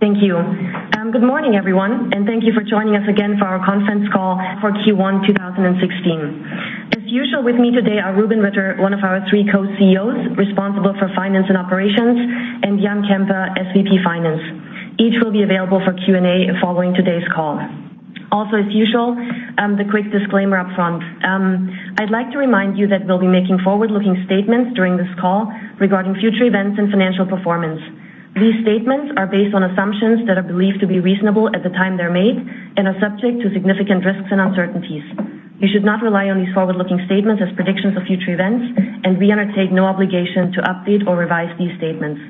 Thank you. Good morning, everyone, and thank you for joining us again for our conference call for Q1 2016. As usual with me today are Rubin Ritter, one of our three co-CEOs responsible for finance and operations, and Jan Kemper, SVP Finance. Each will be available for Q&A following today's call. Also, as usual, the quick disclaimer up front. I'd like to remind you that we'll be making forward-looking statements during this call regarding future events and financial performance. These statements are based on assumptions that are believed to be reasonable at the time they're made and are subject to significant risks and uncertainties. You should not rely on these forward-looking statements as predictions of future events, and we undertake no obligation to update or revise these statements.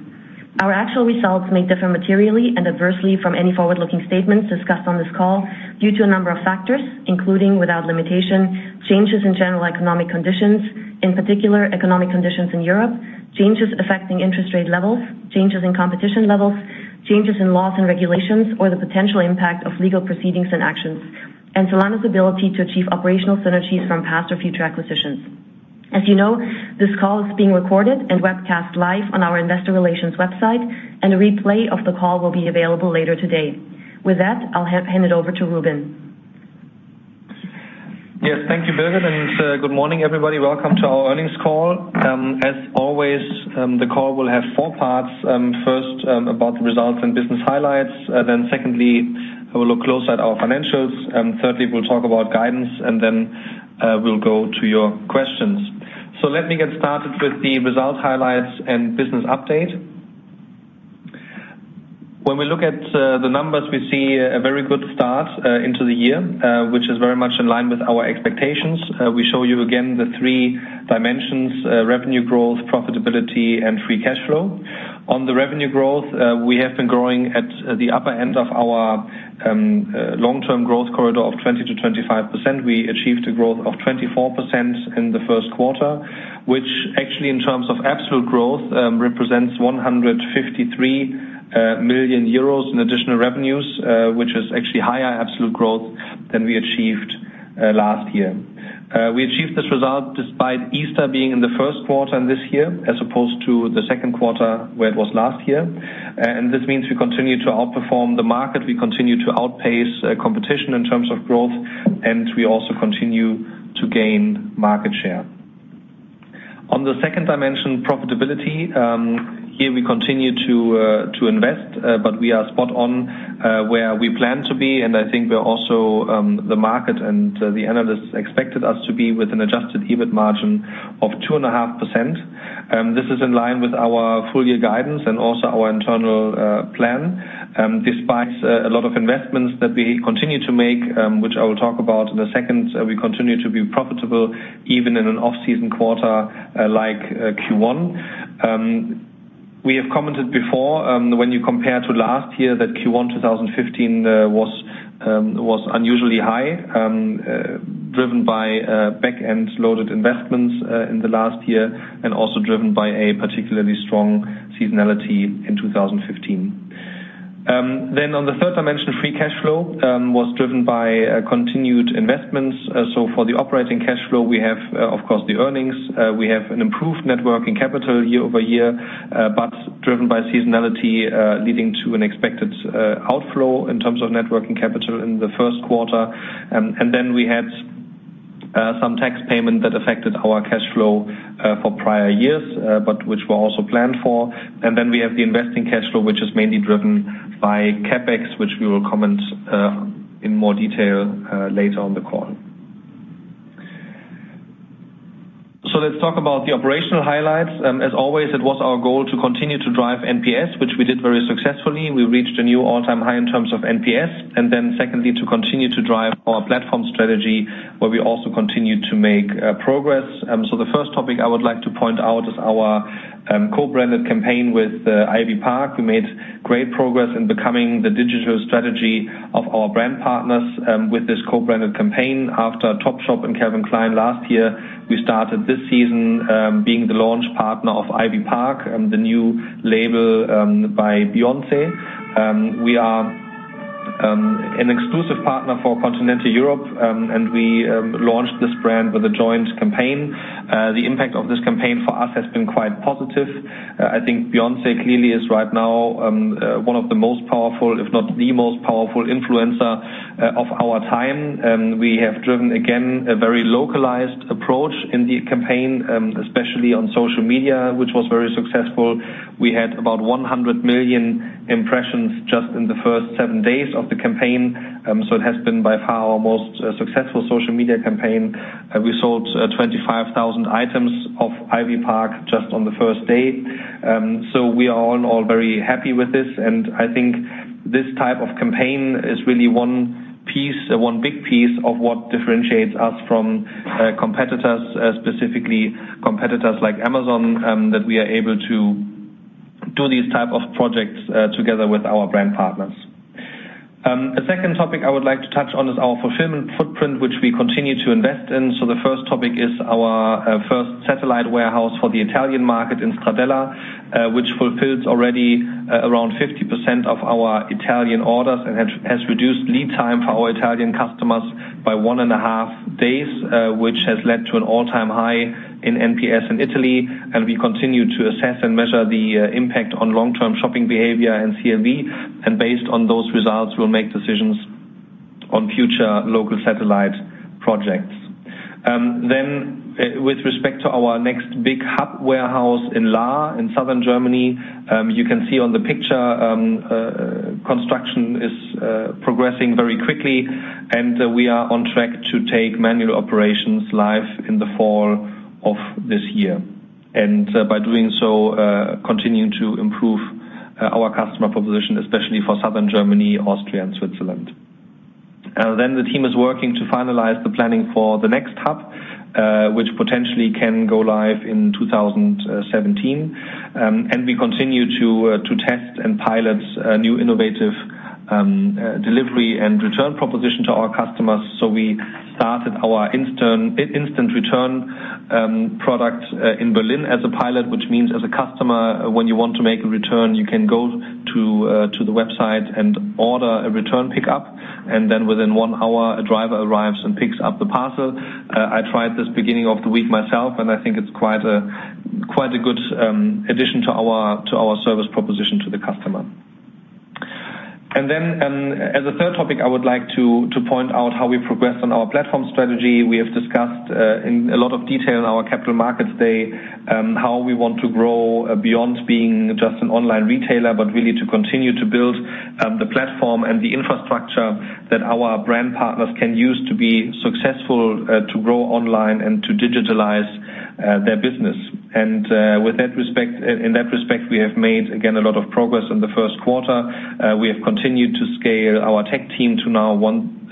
Our actual results may differ materially and adversely from any forward-looking statements discussed on this call due to a number of factors, including, without limitation, changes in general economic conditions, in particular, economic conditions in Europe, changes affecting interest rate levels, changes in competition levels, changes in laws and regulations, or the potential impact of legal proceedings and actions, and Zalando's ability to achieve operational synergies from past or future acquisitions. As you know, this call is being recorded and webcast live on our investor relations website, and a replay of the call will be available later today. With that, I'll hand it over to Rubin. Yes. Thank you, Birgit, and good morning, everybody. Welcome to our earnings call. As always, the call will have four parts. Secondly, we'll look close at our financials. Thirdly, we'll talk about guidance, and we'll go to your questions. Let me get started with the result highlights and business update. When we look at the numbers, we see a very good start into the year, which is very much in line with our expectations. We show you again the three dimensions, revenue growth, profitability, and free cash flow. On the revenue growth, we have been growing at the upper end of our long-term growth corridor of 20%-25%. We achieved a growth of 24% in the first quarter, which actually, in terms of absolute growth, represents 153 million euros in additional revenues, which is actually higher absolute growth than we achieved last year. We achieved this result despite Easter being in the first quarter in this year as opposed to the second quarter where it was last year. This means we continue to outperform the market, we continue to outpace competition in terms of growth, and we also continue to gain market share. On the second dimension, profitability. Here we continue to invest, but we are spot on where we plan to be, and I think we are also the market and the analysts expected us to be with an adjusted EBIT margin of 2.5%. This is in line with our full-year guidance and also our internal plan. Despite a lot of investments that we continue to make, which I will talk about in a second, we continue to be profitable even in an off-season quarter like Q1. We have commented before, when you compare to last year, that Q1 2015 was unusually high, driven by back-end loaded investments in the last year and also driven by a particularly strong seasonality in 2015. Then on the third dimension, free cash flow was driven by continued investments. So for the operating cash flow, we have, of course, the earnings. We have an improved net working capital year-over-year but driven by seasonality, leading to an expected outflow in terms of net working capital in the first quarter. Then we had some tax payment that affected our cash flow for prior years, but which were also planned for. Then we have the investing cash flow, which is mainly driven by CapEx, which we will comment in more detail later on the call. Let's talk about the operational highlights. As always, it was our goal to continue to drive NPS, which we did very successfully. We reached a new all-time high in terms of NPS. Then secondly, to continue to drive our platform strategy, where we also continued to make progress. The first topic I would like to point out is our co-branded campaign with Ivy Park. We made great progress in becoming the digital strategy of our brand partners with this co-branded campaign. After Topshop and Calvin Klein last year, we started this season being the launch partner of Ivy Park, the new label by Beyoncé. We are an exclusive partner for Continental Europe, and we launched this brand with a joint campaign. The impact of this campaign for us has been quite positive. I think Beyoncé clearly is right now one of the most powerful, if not the most powerful influencer of our time. We have driven, again, a very localized approach in the campaign, especially on social media, which was very successful. We had about 100 million impressions just in the first seven days of the campaign. It has been by far our most successful social media campaign. We sold 25,000 items of Ivy Park just on the first day. We are all very happy with this, and I think this type of campaign is really one big piece of what differentiates us from competitors, specifically competitors like Amazon, that we are able to do these type of projects together with our brand partners. A second topic I would like to touch on is our fulfillment footprint, which we continue to invest in. The first topic is our first satellite warehouse for the Italian market in Stradella, which fulfills already around 50% of our Italian orders and has reduced lead time for our Italian customers by one and a half days, which has led to an all-time high in NPS in Italy. We continue to assess and measure the impact on long-term shopping behavior and CLV. Based on those results, we'll make decisions on future local satellite projects. Then with respect to our next big hub warehouse in Lahr, in Southern Germany, you can see on the picture, construction is progressing very quickly, and we are on track to take manual operations live in the fall of this year. By doing so, continuing to improve our customer proposition, especially for Southern Germany, Austria, and Switzerland. The team is working to finalize the planning for the next hub which potentially can go live in 2017. We continue to test and pilot new innovative delivery and return proposition to our customers. We started our instant return product in Berlin as a pilot, which means as a customer, when you want to make a return, you can go to the website and order a return pickup, within one hour, a driver arrives and picks up the parcel. I tried this beginning of the week myself, I think it's quite a good addition to our service proposition to the customer. As a third topic, I would like to point out how we progressed on our platform strategy. We have discussed in a lot of detail in our Capital Markets Day, how we want to grow beyond being just an online retailer, but really to continue to build the platform and the infrastructure that our brand partners can use to be successful to grow online and to digitalize their business. In that respect, we have made, again, a lot of progress in the first quarter. We have continued to scale our tech team to now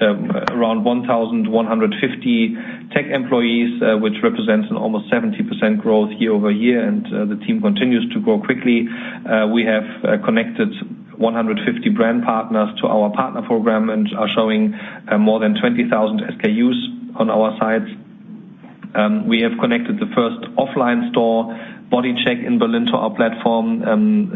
around 1,150 tech employees, which represents an almost 17% growth year-over-year, the team continues to grow quickly. We have connected 150 brand partners to our partner program and are showing more than 20,000 SKUs on our site. We have connected the first offline store, Bodycheck in Berlin, to our platform.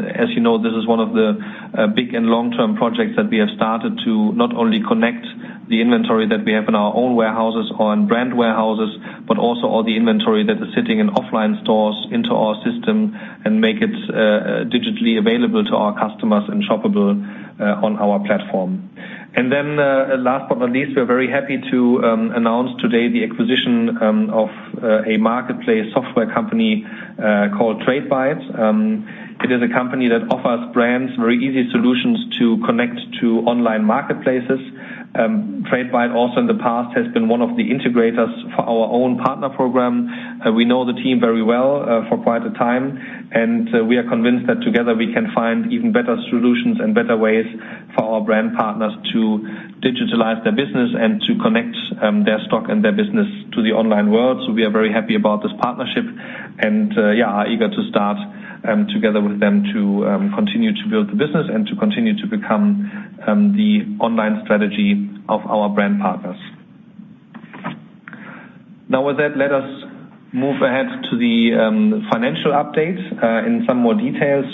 As you know, this is one of the big and long-term projects that we have started to not only connect the inventory that we have in our own warehouses or in brand warehouses, but also all the inventory that is sitting in offline stores into our system and make it digitally available to our customers and shoppable on our platform. Last but not least, we're very happy to announce today the acquisition of a marketplace software company called Tradebyte. It is a company that offers brands very easy solutions to connect to online marketplaces. Tradebyte also in the past has been one of the integrators for our own partner program. We know the team very well for quite a time, we are convinced that together we can find even better solutions and better ways for our brand partners to digitalize their business and to connect their stock and their business to the online world. We are very happy about this partnership and are eager to start together with them to continue to build the business and to continue to become the online strategy of our brand partners. With that, let us move ahead to the financial update in some more detail.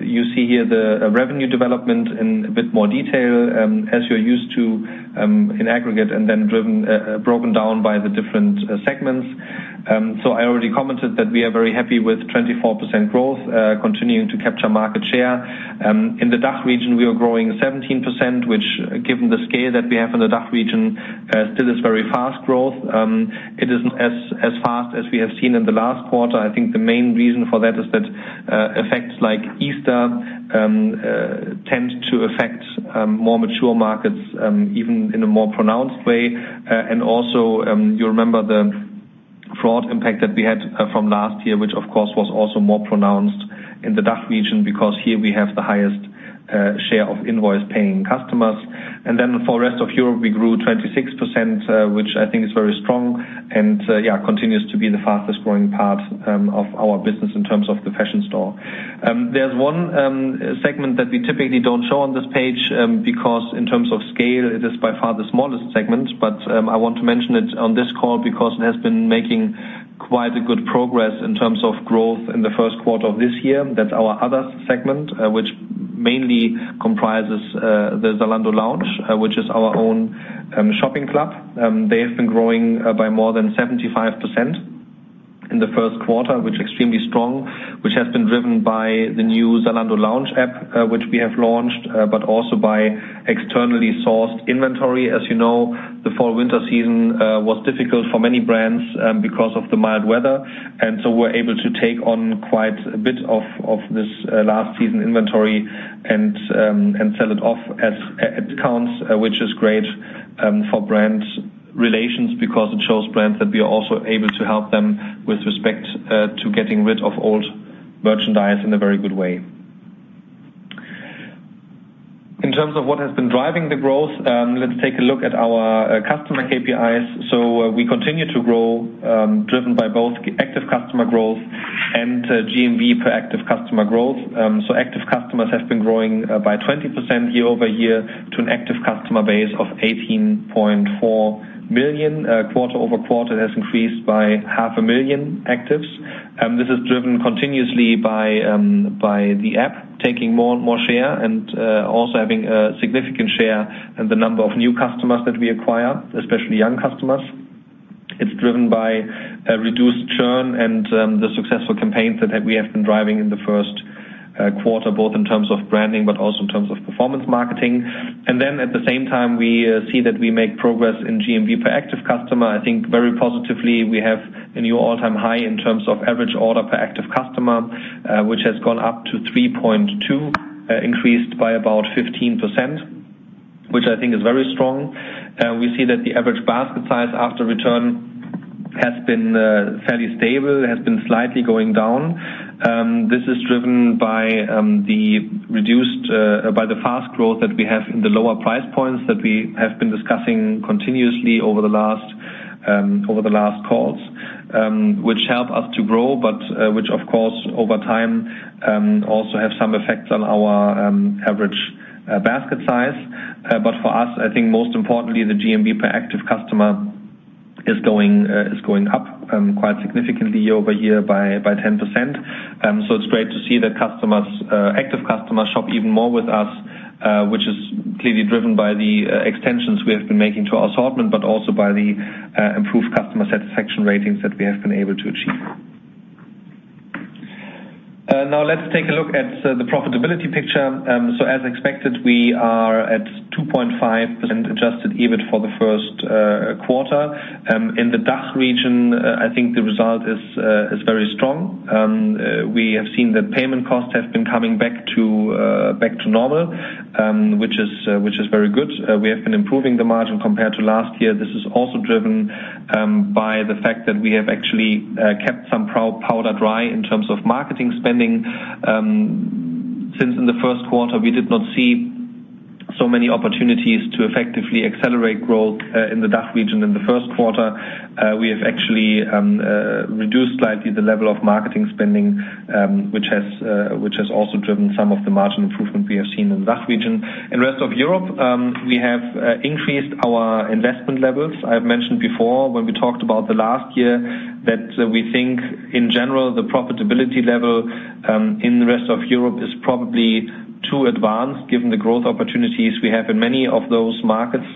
You see here the revenue development in a bit more detail, as you're used to in aggregate, broken down by the different segments. I already commented that we are very happy with 24% growth, continuing to capture market share. In the DACH region, we are growing 17%, which given the scale that we have in the DACH region, still is very fast growth. It is not as fast as we have seen in the last quarter. I think the main reason for that is that effects like Easter tend to affect more mature markets, even in a more pronounced way. Also, you remember the fraud impact that we had from last year, which of course, was also more pronounced in the DACH region because here we have the highest share of invoice-paying customers. For rest of Europe, we grew 26%, which I think is very strong and continues to be the fastest-growing part of our business in terms of the fashion store. There's one segment that we typically don't show on this page, because in terms of scale, it is by far the smallest segment, but I want to mention it on this call because it has been making quite good progress in terms of growth in the first quarter of this year. That's our other segment, which mainly comprises the Zalando Lounge, which is our own shopping club. They have been growing by more than 75% in the first quarter, which is extremely strong, which has been driven by the new Zalando Lounge app which we have launched, but also by externally sourced inventory. As you know, the fall/winter season was difficult for many brands because of the mild weather, and so we're able to take on quite a bit of this last season inventory and sell it off at discounts, which is great for brand relations because it shows brands that we are also able to help them with respect to getting rid of old merchandise in a very good way. In terms of what has been driving the growth, let's take a look at our customer KPIs. We continue to grow, driven by both active customer growth and GMV per active customer growth. Active customers have been growing by 20% year-over-year to an active customer base of 18.4 million. Quarter-over-quarter has increased by half a million actives. This is driven continuously by the app taking more and more share and also having a significant share in the number of new customers that we acquire, especially young customers. It's driven by a reduced churn and the successful campaigns that we have been driving in the first quarter, both in terms of branding but also in terms of performance marketing. At the same time, we see that we make progress in GMV per active customer. I think very positively, we have a new all-time high in terms of average order per active customer, which has gone up to 3.2, increased by about 15%, which I think is very strong. We see that the average basket size after return has been fairly stable, has been slightly going down. This is driven by the fast growth that we have in the lower price points that we have been discussing continuously over the last calls, which help us to grow, but which, of course, over time, also have some effects on our average basket size. For us, I think most importantly, the GMV per active customer is going up quite significantly year over year by 10%. It's great to see that active customers shop even more with us, which is clearly driven by the extensions we have been making to our assortment, but also by the improved customer satisfaction ratings that we have been able to achieve. Now let's take a look at the profitability picture. As expected, we are at 2.5% adjusted EBIT for the first quarter. In the DACH region, I think the result is very strong. We have seen that payment costs have been coming back to normal, which is very good. We have been improving the margin compared to last year. This is also driven by the fact that we have actually kept some powder dry in terms of marketing spending. Since in the first quarter, we did not see so many opportunities to effectively accelerate growth in the DACH region in the first quarter. We have actually reduced slightly the level of marketing spending, which has also driven some of the margin improvement we have seen in the DACH region. In Rest of Europe, we have increased our investment levels. I have mentioned before when we talked about the last year, that we think, in general, the profitability level in the Rest of Europe is probably too advanced given the growth opportunities we have in many of those markets.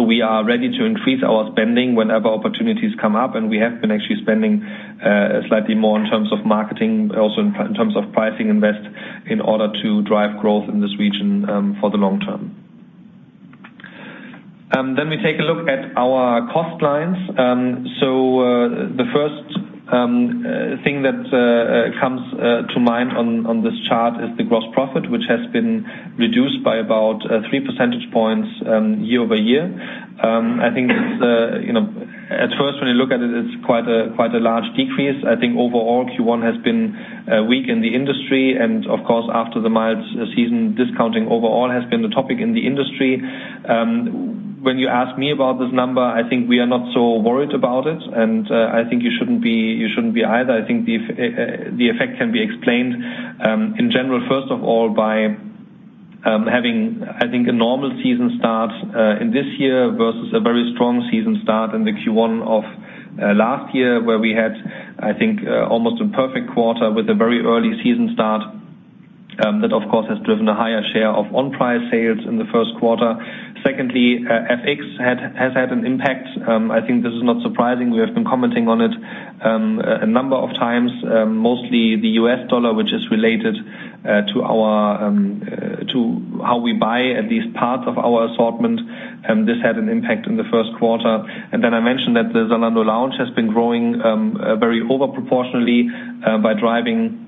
We are ready to increase our spending whenever opportunities come up, and we have been actually spending slightly more in terms of marketing, also in terms of pricing invest, in order to drive growth in this region for the long term. We take a look at our cost lines. The first thing that comes to mind on this chart is the gross profit, which has been reduced by about 3 percentage points year over year. I think at first when you look at it's quite a large decrease. I think overall Q1 has been weak in the industry, and of course, after the mild season, discounting overall has been the topic in the industry. When you ask me about this number, I think we are not so worried about it, and I think you shouldn't be either. I think the effect can be explained in general, first of all, by having, I think a normal season start in this year versus a very strong season start in the Q1 of last year, where we had, I think almost a perfect quarter with a very early season start. That, of course, has driven a higher share of on-price sales in the first quarter. Secondly, FX has had an impact. I think this is not surprising. We have been commenting on it a number of times. Mostly the US dollar, which is related to how we buy at least part of our assortment. This had an impact in the first quarter. I mentioned that the Zalando Lounge has been growing very over-proportionally by driving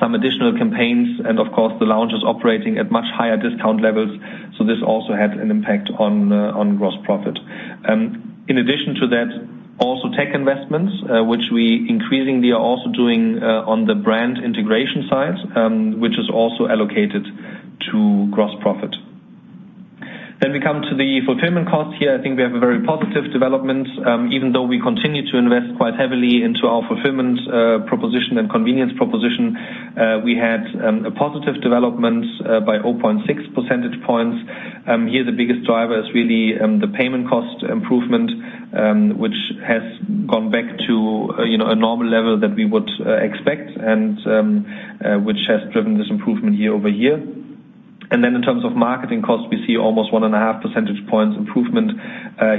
some additional campaigns. Of course, the Lounge is operating at much higher discount levels, so this also had an impact on gross profit. In addition to that, also Tech investments, which we increasingly are also doing on the brand integration side, which is also allocated to gross profit. Then we come to the fulfillment cost here. I think we have a very positive development. Even though we continue to invest quite heavily into our fulfillment proposition and convenience proposition, we had a positive development by 0.6 percentage points. Here, the biggest driver is really the payment cost improvement, which has gone back to a normal level that we would expect and which has driven this improvement year-over-year. In terms of marketing costs, we see almost 1.5 percentage points improvement.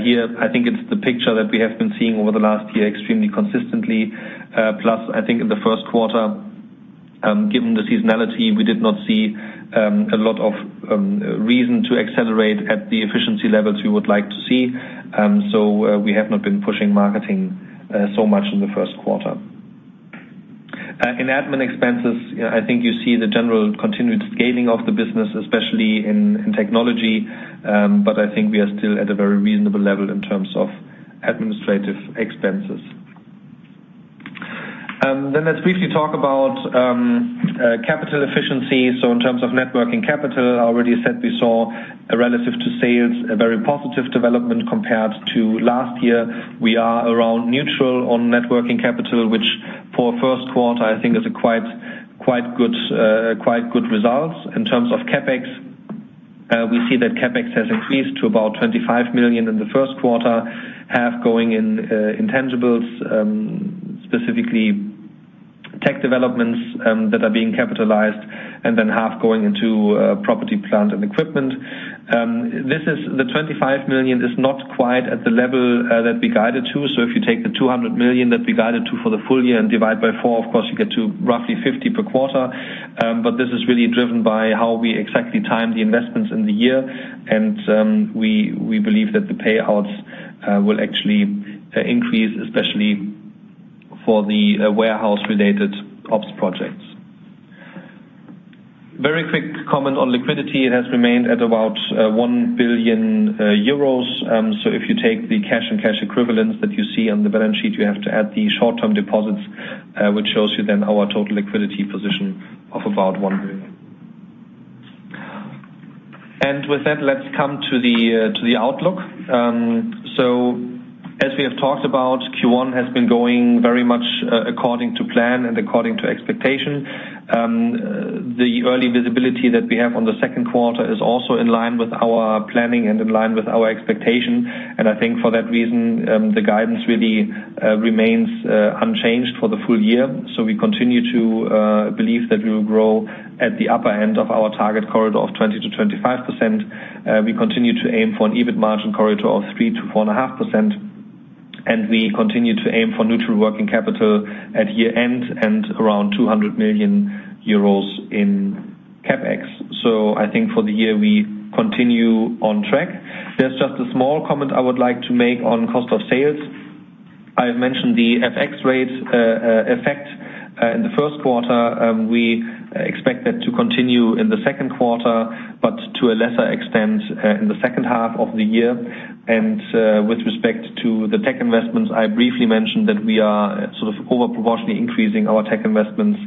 Here, I think it's the picture that we have been seeing over the last year extremely consistently. Plus, I think in the first quarter, given the seasonality, we did not see a lot of reason to accelerate at the efficiency levels we would like to see. We have not been pushing marketing so much in the first quarter. In admin expenses, I think you see the general continued scaling of the business, especially in technology, but I think we are still at a very reasonable level in terms of administrative expenses. Let's briefly talk about capital efficiency. In terms of net working capital, I already said we saw a relative to sales, a very positive development compared to last year. We are around neutral on net working capital, which for first quarter, I think is a quite good result. In terms of CapEx, we see that CapEx has increased to about 25 million in the first quarter, half going in intangibles, specifically Tech developments that are being capitalized and then half going into property, plant, and equipment. The 25 million is not quite at the level that we guided to. If you take the 200 million that we guided to for the full year and divide by 4, of course, you get to roughly 50 per quarter. This is really driven by how we exactly time the investments in the year. We believe that the payouts will actually increase, especially for the warehouse-related ops projects. Very quick comment on liquidity. It has remained at about 1 billion euros. If you take the cash and cash equivalents that you see on the balance sheet, you have to add the short-term deposits, which shows you then our total liquidity position of about 1 billion. With that, let's come to the outlook. As we have talked about, Q1 has been going very much according to plan and according to expectation. The early visibility that we have on the second quarter is also in line with our planning and in line with our expectation. I think for that reason, the guidance really remains unchanged for the full year. We continue to believe that we will grow at the upper end of our target corridor of 20%-25%. We continue to aim for an EBIT margin corridor of 3%-4.5%, and we continue to aim for neutral working capital at year-end and around 200 million euros in CapEx. I think for the year, we continue on track. There is just a small comment I would like to make on cost of sales. I have mentioned the FX rate effect in the first quarter. We expect that to continue in the second quarter, but to a lesser extent in the second half of the year. With respect to the tech investments, I briefly mentioned that we are sort of over-proportionately increasing our tech investments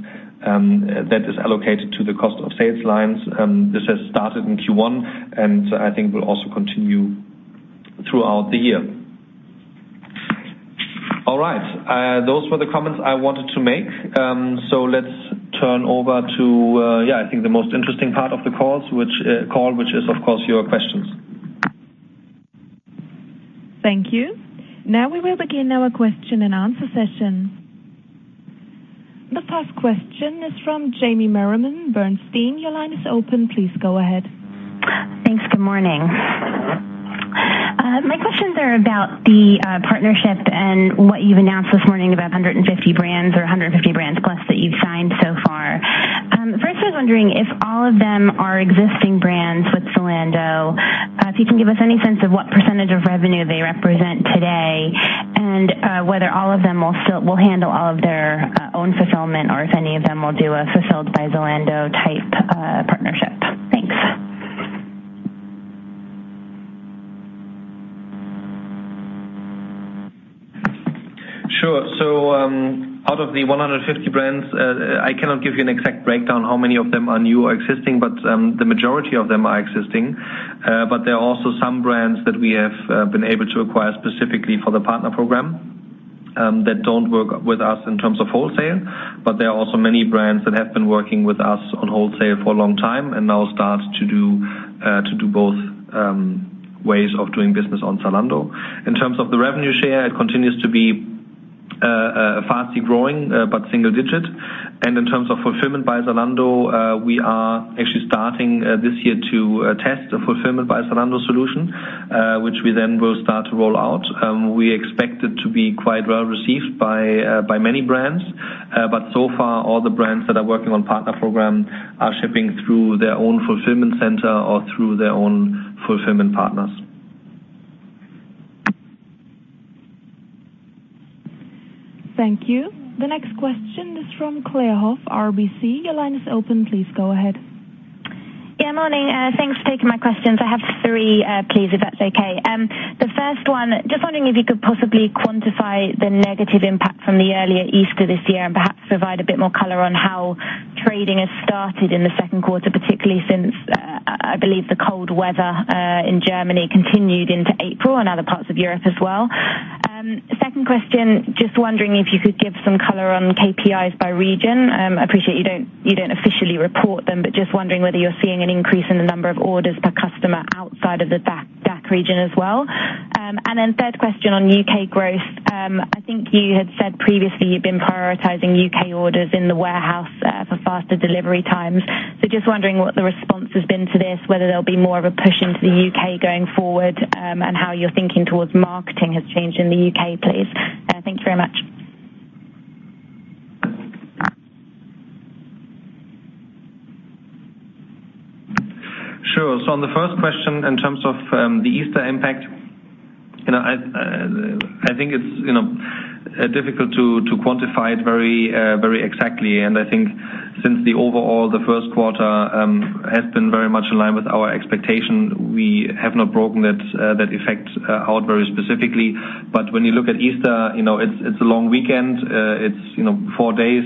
that is allocated to the cost of sales lines. This has started in Q1 and I think will also continue throughout the year. All right. Those were the comments I wanted to make. Let us turn over to, yeah, I think the most interesting part of the call, which is, of course, your questions. Thank you. Now we will begin our question and answer session. The first question is from Jamie Merriman, Bernstein. Your line is open. Please go ahead. Thanks. Good morning. My questions are about the partnership and what you have announced this morning about 150 brands or 150 brands plus that you have signed so far. First, I was wondering if all of them are existing brands with Zalando. If you can give us any sense of what % of revenue they represent today and whether all of them will handle all of their own fulfillment or if any of them will do a Fulfilled by Zalando type partnership. Thanks. Sure. Out of the 150 brands, I cannot give you an exact breakdown how many of them are new or existing, the majority of them are existing. There are also some brands that we have been able to acquire specifically for the partner program, that don't work with us in terms of wholesale. There are also many brands that have been working with us on wholesale for a long time and now start to do both ways of doing business on Zalando. In terms of the revenue share, it continues to be fastly growing, but single digit. In terms of Fulfillment by Zalando, we are actually starting this year to test the Fulfillment by Zalando solution, which we then will start to roll out. We expect it to be quite well received by many brands. So far all the brands that are working on partner program are shipping through their own fulfillment center or through their own fulfillment partners. Thank you. The next question is from Claire Huff, RBC. Your line is open. Please go ahead. Yeah, morning. Thanks for taking my questions. I have three, please, if that's okay. The first one, just wondering if you could possibly quantify the negative impact from the earlier Easter this year and perhaps provide a bit more color on how trading has started in the second quarter, particularly since, I believe the cold weather in Germany continued into April and other parts of Europe as well. Second question, just wondering if you could give some color on KPIs by region. I appreciate you don't officially report them, just wondering whether you're seeing an increase in the number of orders per customer outside of the DACH region as well. Then third question on U.K. growth. I think you had said previously you've been prioritizing U.K. orders in the warehouse for faster delivery times. Just wondering what the response has been to this, whether there'll be more of a push into the U.K. going forward, and how your thinking towards marketing has changed in the U.K., please. Thank you very much. Sure. On the first question, in terms of the Easter impact, I think it's difficult to quantify it very exactly. I think since the overall first quarter has been very much in line with our expectation, we have not broken that effect out very specifically. When you look at Easter, it's a long weekend. It's four days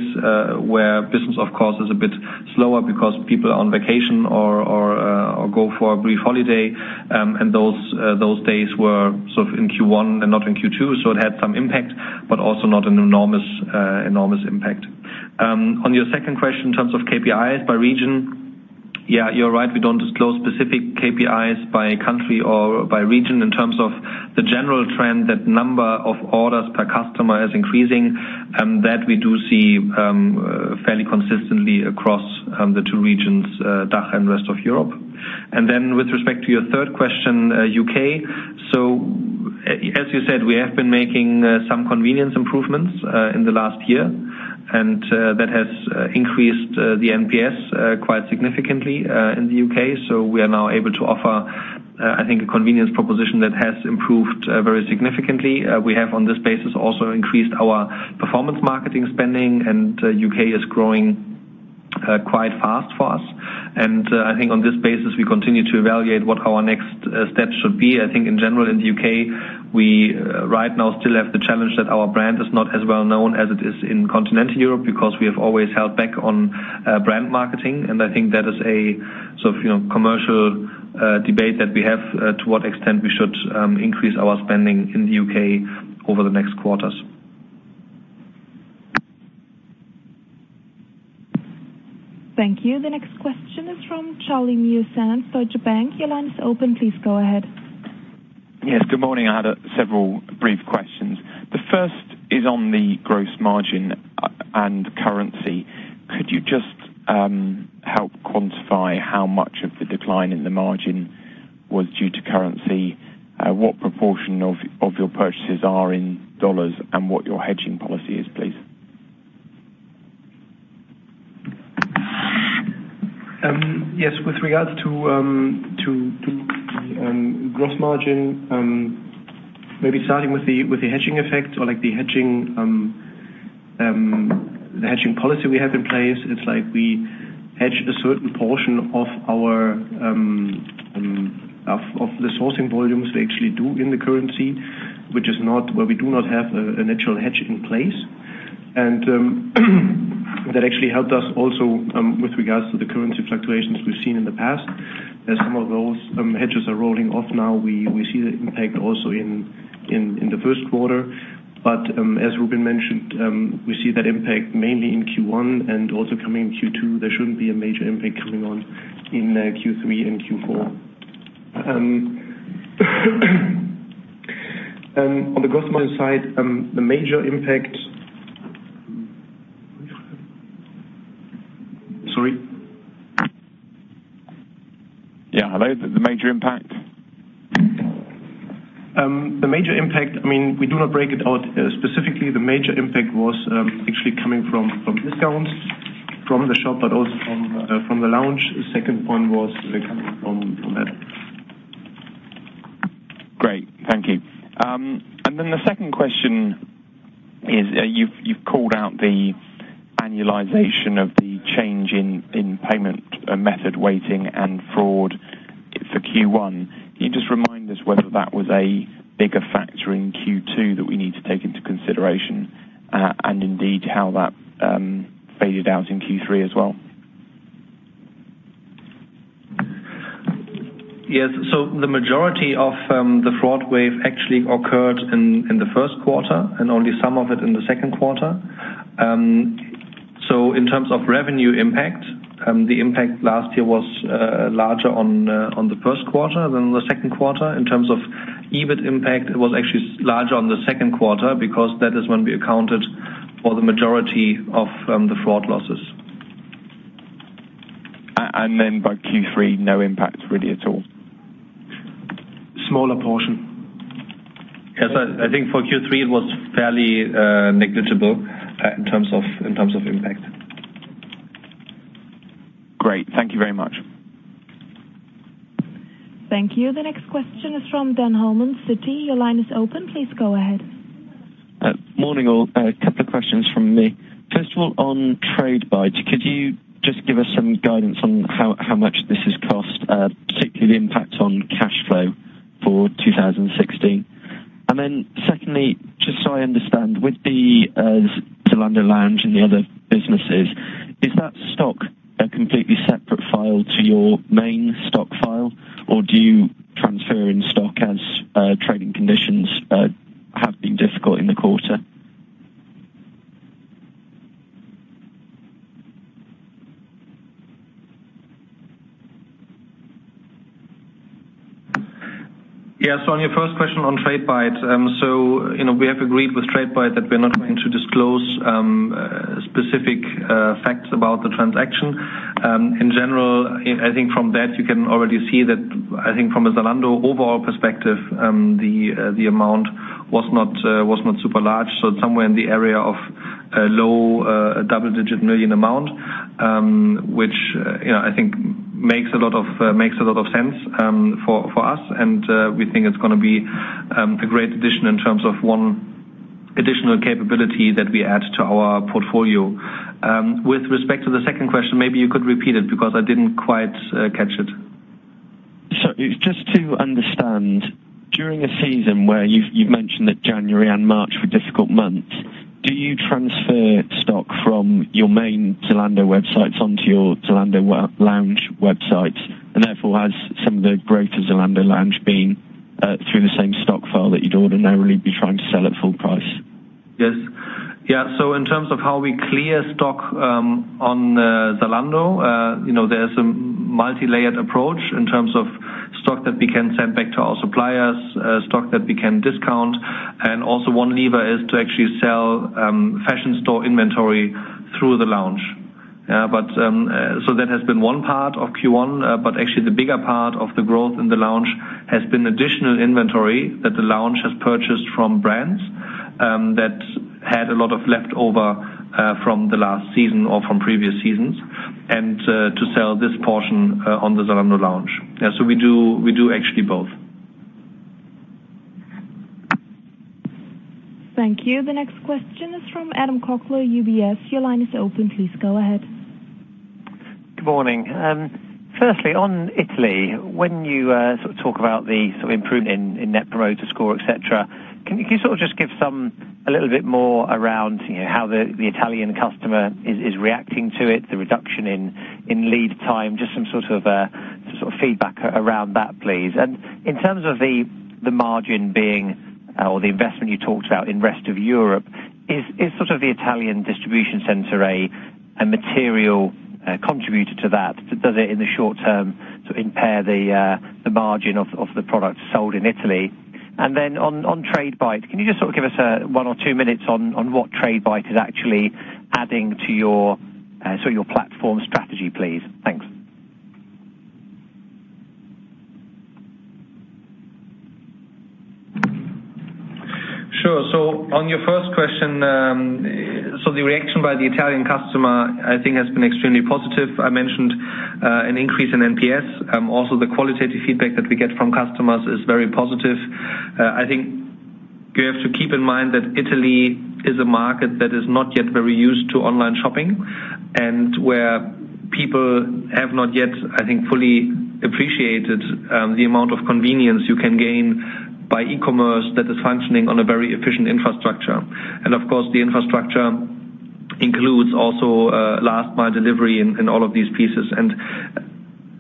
where business of course is a bit slower because people are on vacation or go for a brief holiday. Those days were sort of in Q1 and not in Q2. It had some impact, but also not an enormous impact. On your second question in terms of KPIs by region, Yeah, you're right, we don't disclose specific KPIs by country or by region. In terms of the general trend, that number of orders per customer is increasing, and that we do see fairly consistently across the two regions, DACH and rest of Europe. With respect to your third question, U.K. As you said, we have been making some convenience improvements in the last year, and that has increased the NPS quite significantly in the U.K. We are now able to offer, I think, a convenience proposition that has improved very significantly. We have, on this basis, also increased our performance marketing spending, and U.K. is growing quite fast for us. I think on this basis, we continue to evaluate what our next step should be. I think in general, in the U.K., we right now still have the challenge that our brand is not as well known as it is in continental Europe because we have always held back on brand marketing. I think that is a commercial debate that we have to what extent we should increase our spending in the U.K. over the next quarters. Thank you. The next question is from Charlie Muir-Sands, Deutsche Bank. Your line is open. Please go ahead. Yes, good morning. I had several brief questions. The first is on the gross margin and currency. Could you just help quantify how much of the decline in the margin was due to currency? What proportion of your purchases are in U.S. dollars, and what your hedging policy is, please? Yes. With regards to gross margin, maybe starting with the hedging effect or the hedging policy we have in place, it's like we hedge a certain portion of the sourcing volumes we actually do in the currency, where we do not have an actual hedge in place. That actually helped us also with regards to the currency fluctuations we've seen in the past. As some of those hedges are rolling off now, we see the impact also in the first quarter. As Rubin mentioned, we see that impact mainly in Q1 and also coming in Q2. There shouldn't be a major impact coming on in Q3 and Q4. On the gross margin side, the major impact. Sorry. Yeah. The major impact? The major impact, we do not break it out specifically. The major impact was actually coming from discounts from the shop, but also from the Lounge. The second one was coming from that. Great. Thank you. The second question is, you've called out the annualization of the change in payment method weighting and fraud for Q1. Can you just remind us whether that was a bigger factor in Q2 that we need to take into consideration? How that faded out in Q3 as well? Yes. The majority of the fraud wave actually occurred in the first quarter and only some of it in the second quarter. In terms of revenue impact, the impact last year was larger on the first quarter than the second quarter. In terms of EBIT impact, it was actually larger on the second quarter because that is when we accounted for the majority of the fraud losses. By Q3, no impact really at all? Smaller portion. Yes. I think for Q3, it was fairly negligible in terms of impact. Great. Thank you very much. Thank you. The next question is from Benjamin Holman, Citi. Your line is open. Please go ahead. Morning, all. A couple of questions from me. First of all, on Tradebyte, could you just give us some guidance on how much this has cost, particularly the impact on cash flow for 2016? Secondly, just so I understand, with the Zalando Lounge and the other businesses, is that stock a completely separate file to your main stock file, or do you transfer in-stock as trading conditions have been difficult in the quarter? Yes. On your first question on Tradebyte. We have agreed with Tradebyte that we're not going to disclose specific facts about the transaction. In general, I think from that you can already see that, I think from a Zalando overall perspective, the amount was not super large. Somewhere in the area of a low double-digit million EUR amount, which I think makes a lot of sense for us. We think it's going to be a great addition in terms of one additional capability that we add to our portfolio. With respect to the second question, maybe you could repeat it because I didn't quite catch it. Just to understand, during a season where you've mentioned that January and March were difficult months, do you transfer stock from your main Zalando websites onto your Zalando Lounge website? Therefore, has some of the growth of Zalando Lounge been through the same stock file that you'd ordinarily be trying to sell at full price? Yes. In terms of how we clear stock on Zalando, there's a multi-layered approach in terms of stock that we can send back to our suppliers, stock that we can discount, and also one lever is to actually sell fashion store inventory through the lounge. That has been one part of Q1, but actually the bigger part of the growth in the lounge has been additional inventory that the lounge has purchased from brands that had a lot of leftover from the last season or from previous seasons, and to sell this portion on the Zalando Lounge. We do actually both. Thank you. The next question is from Adam Cochrane, UBS. Your line is open. Please go ahead. Good morning. Firstly, on Italy, when you talk about the improvement in net promoter score, et cetera, can you just give a little bit more around how the Italian customer is reacting to it, the reduction in lead time? Just some sort of feedback around that, please. In terms of the margin being, or the investment you talked about in rest of Europe, is the Italian distribution center a material contributor to that? Does it, in the short term, impair the margin of the products sold in Italy? On Tradebyte, can you just give us one or two minutes on what Tradebyte is actually adding to your platform strategy, please? Thanks. Sure. On your first question, the reaction by the Italian customer, I think, has been extremely positive. I mentioned an increase in NPS. Also, the qualitative feedback that we get from customers is very positive. I think you have to keep in mind that Italy is a market that is not yet very used to online shopping, and where people have not yet, I think, fully appreciated the amount of convenience you can gain by e-commerce that is functioning on a very efficient infrastructure. Of course, the infrastructure includes also last mile delivery and all of these pieces.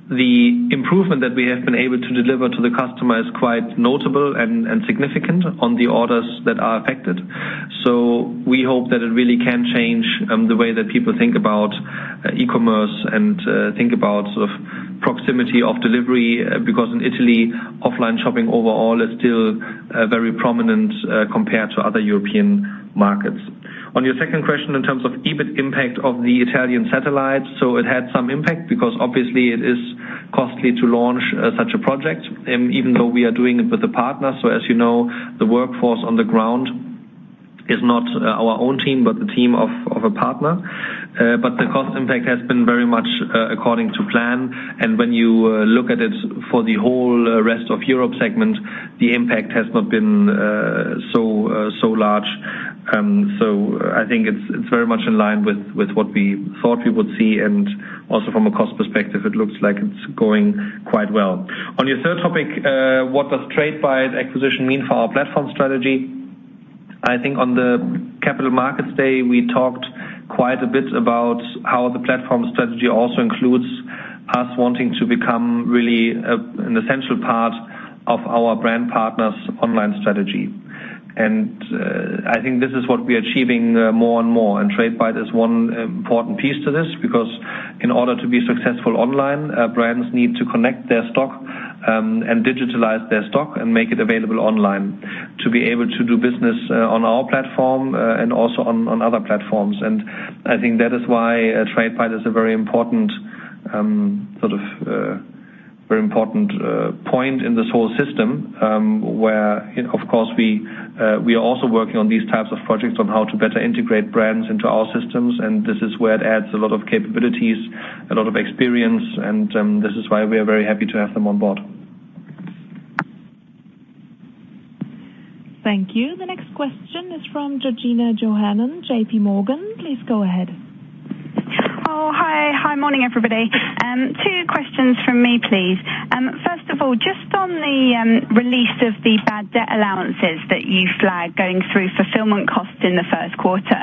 The improvement that we have been able to deliver to the customer is quite notable and significant on the orders that are affected. We hope that it really can change the way that people think about e-commerce and think about proximity of delivery, because in Italy, offline shopping overall is still very prominent compared to other European markets. On your second question, in terms of EBIT impact of the Italian satellite. It had some impact because obviously it is costly to launch such a project, even though we are doing it with a partner. As you know, the workforce on the ground is not our own team, but the team of a partner. The cost impact has been very much according to plan. When you look at it for the whole rest of Europe segment, the impact has not been so large. I think it's very much in line with what we thought we would see. Also from a cost perspective, it looks like it's going quite well. On your third topic, what does Tradebyte acquisition mean for our platform strategy? I think on the Capital Markets Day, we talked quite a bit about how the platform strategy also includes us wanting to become really an essential part of our brand partners' online strategy. I think this is what we're achieving more and more. Tradebyte is one important piece to this, because in order to be successful online, brands need to connect their stock and digitalize their stock and make it available online to be able to do business on our platform and also on other platforms. I think that is why Tradebyte is a very important point in this whole system, where, of course, we are also working on these types of projects on how to better integrate brands into our systems. This is where it adds a lot of capabilities, a lot of experience, and this is why we are very happy to have them on board. Thank you. The next question is from Georgina Johanan, JPMorgan. Please go ahead. Oh, hi. Morning, everybody. Two questions from me, please. First of all, just on the release of the bad debt allowances that you flagged going through fulfillment costs in the first quarter.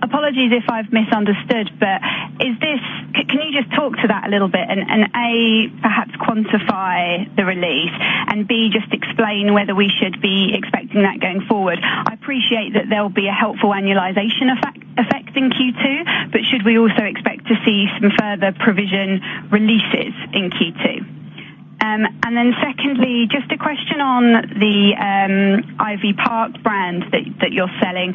Apologies if I've misunderstood. Can you just talk to that a little bit and, A, perhaps quantify the release and, B, just explain whether we should be expecting that going forward. I appreciate that there'll be a helpful annualization effect in Q2, but should we also expect to see some further provision releases in Q2? Then secondly, just a question on the Ivy Park brand that you're selling.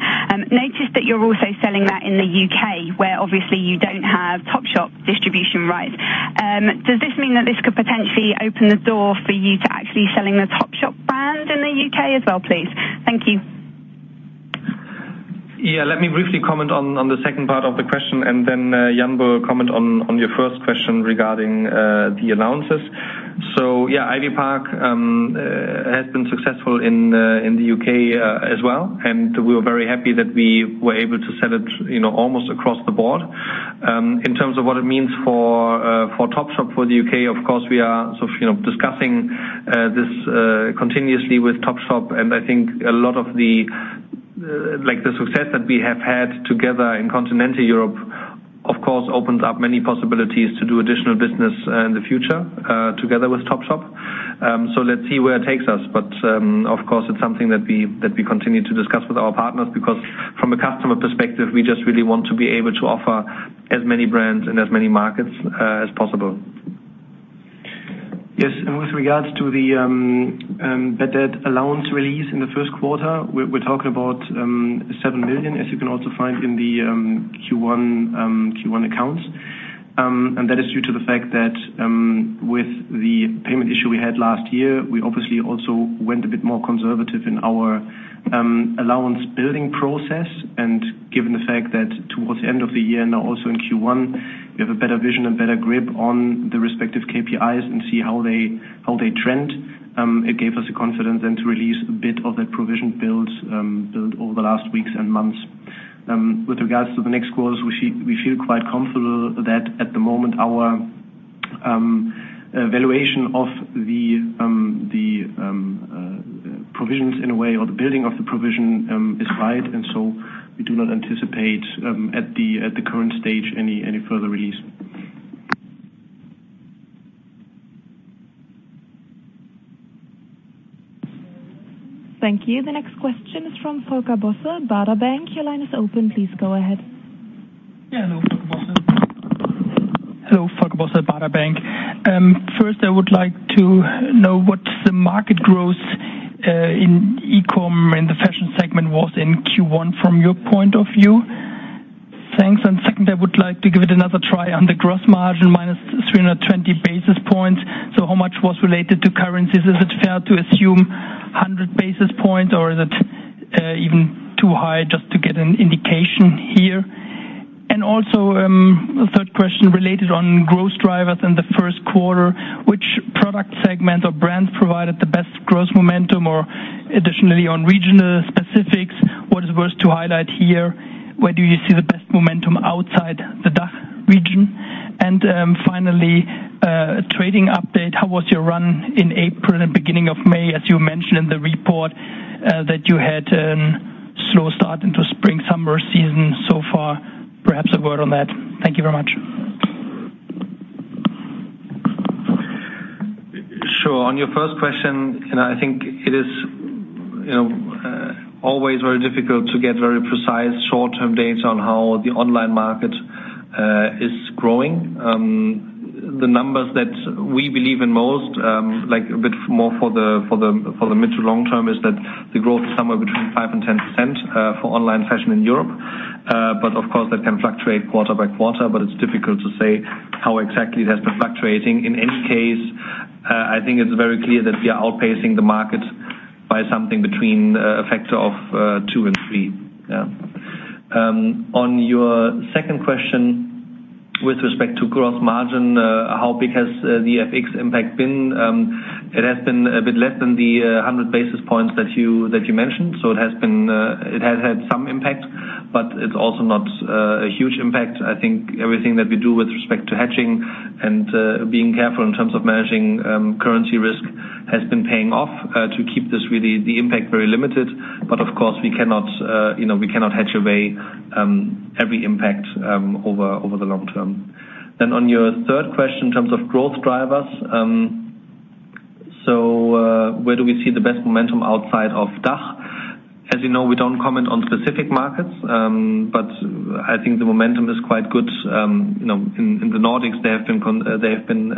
Noticed that you're also selling that in the U.K. where obviously you don't have Topshop distribution rights. Does this mean that this could potentially open the door for you to actually selling the Topshop brand in the U.K. as well, please? Thank you. Let me briefly comment on the second part of the question. Jan Kemper will comment on your first question regarding the allowances. Ivy Park has been successful in the U.K. as well, and we are very happy that we were able to sell it almost across the board. In terms of what it means for Topshop for the U.K., of course, we are discussing this continuously with Topshop. I think a lot of the success that we have had together in continental Europe, of course, opens up many possibilities to do additional business in the future, together with Topshop. Let's see where it takes us. Of course, it is something that we continue to discuss with our partners, because from a customer perspective, we just really want to be able to offer as many brands in as many markets as possible. Yes, with regards to the bad allowance release in the first quarter, we are talking about 7 million, as you can also find in the Q1 accounts. That is due to the fact that, with the payment issue we had last year, we obviously also went a bit more conservative in our allowance building process. Given the fact that towards the end of the year, now also in Q1, we have a better vision and better grip on the respective KPIs and see how they trend. It gave us the confidence then to release a bit of that provision build over the last weeks and months. With regards to the next quarters, we feel quite comfortable that at the moment our valuation of the provisions in a way, or the building of the provision, is right. We do not anticipate, at the current stage, any further release. Thank you. The next question is from Volker Bosse, Baader Bank. Your line is open. Please go ahead. Hello, Volker Bosse, Baader Bank. First, I would like to know what the market growth in e-com in the fashion segment was in Q1 from your point of view. Thanks. Second, I would like to give it another try on the gross margin, minus 320 basis points. How much was related to currencies? Is it fair to assume 100 basis points, or is it even too high just to get an indication here? Also, a third question related on growth drivers in the first quarter, which product segment or brands provided the best growth momentum or additionally on regional specifics, what is worth to highlight here? Where do you see the best momentum outside the DACH region? Finally, trading update, how was your run in April and beginning of May, as you mentioned in the report, that you had a slow start into spring, summer season so far? Perhaps a word on that. Thank you very much. Sure. On your first question, I think it is always very difficult to get very precise short-term data on how the online market is growing. The numbers that we believe in most, a bit more for the mid to long term, is that the growth is somewhere between 5% and 10% for online fashion in Europe. Of course that can fluctuate quarter by quarter, but it's difficult to say how exactly that's been fluctuating. In any case, I think it's very clear that we are outpacing the market by something between a factor of two and three. On your second question, with respect to gross margin, how big has the FX impact been? It has been a bit less than the 100 basis points that you mentioned. It has had some impact, but it's also not a huge impact. I think everything that we do with respect to hedging and being careful in terms of managing currency risk has been paying off, to keep this, the impact very limited. Of course we cannot hedge away every impact over the long term. On your third question, in terms of growth drivers. Where do we see the best momentum outside of DACH? As you know, we don't comment on specific markets. I think the momentum is quite good. In the Nordics, they have been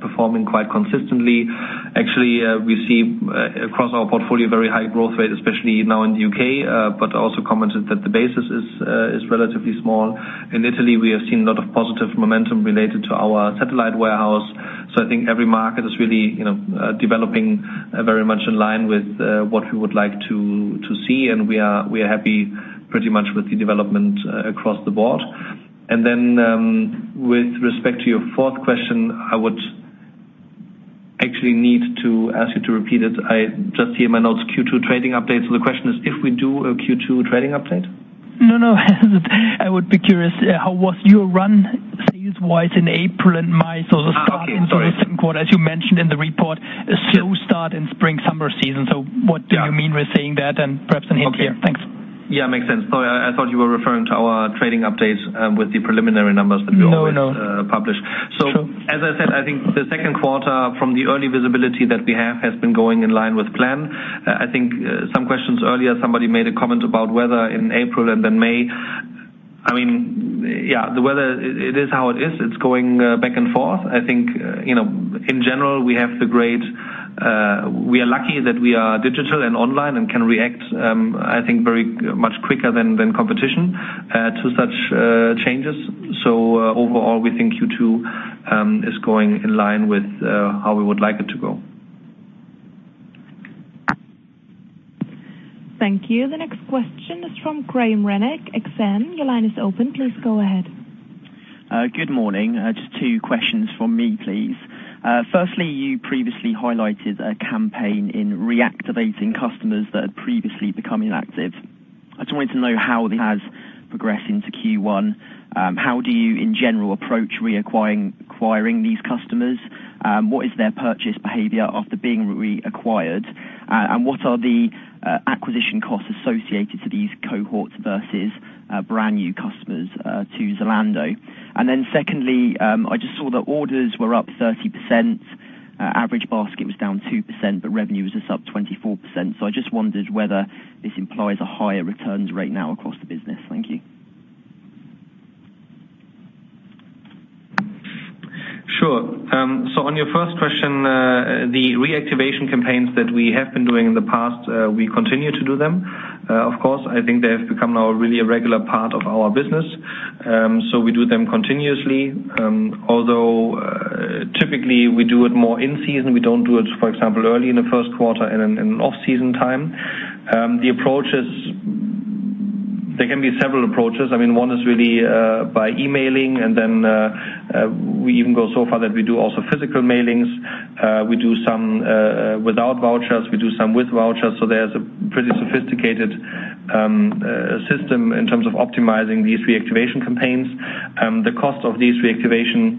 performing quite consistently. Actually, we see across our portfolio very high growth rate, especially now in the U.K. I also commented that the basis is relatively small. In Italy, we have seen a lot of positive momentum related to our satellite warehouse. I think every market is really developing very much in line with what we would like to see. We are happy pretty much with the development across the board. With respect to your fourth question, I would actually need to ask you to repeat it. I just see in my notes Q2 trading update. The question is, if we do a Q2 trading update? No, no. I would be curious, how was your run sales-wise in April and May? Okay. the second quarter, as you mentioned in the report, a slow start in spring, summer season. What do you mean with saying that? Perhaps a hint here. Thanks. Yeah. Makes sense. Sorry, I thought you were referring to our trading updates with the preliminary numbers. No, no publish. Sure. As I said, I think the second quarter from the early visibility that we have, has been going in line with plan. I think some questions earlier, somebody made a comment about weather in April and then May. I mean, yeah, the weather, it is how it is. It's going back and forth. I think, in general, we are lucky that we are digital and online and can react, I think much quicker than competition to such changes. Overall we think Q2 is going in line with how we would like it to go. Thank you. The next question is from Graham Renwick, Exane. Your line is open. Please go ahead. Good morning. Just two questions from me, please. Firstly, you previously highlighted a campaign in reactivating customers that had previously become inactive. I just wanted to know how that has progress into Q1. How do you, in general, approach reacquiring these customers? What is their purchase behavior after being reacquired? What are the acquisition costs associated to these cohorts versus brand new customers to Zalando? Secondly, I just saw that orders were up 30%, average basket was down 2%, revenue was just up 24%. I just wondered whether this implies a higher returns rate now across the business. Thank you. Sure. On your first question, the reactivation campaigns that we have been doing in the past, we continue to do them. Of course, I think they have become now really a regular part of our business. We do them continuously, although typically we do it more in season. We don't do it, for example, early in the first quarter in an off-season time. There can be several approaches. One is really by emailing, and then we even go so far that we do also physical mailings. We do some without vouchers. We do some with vouchers. There's a pretty sophisticated system in terms of optimizing these reactivation campaigns. The cost of these reactivation,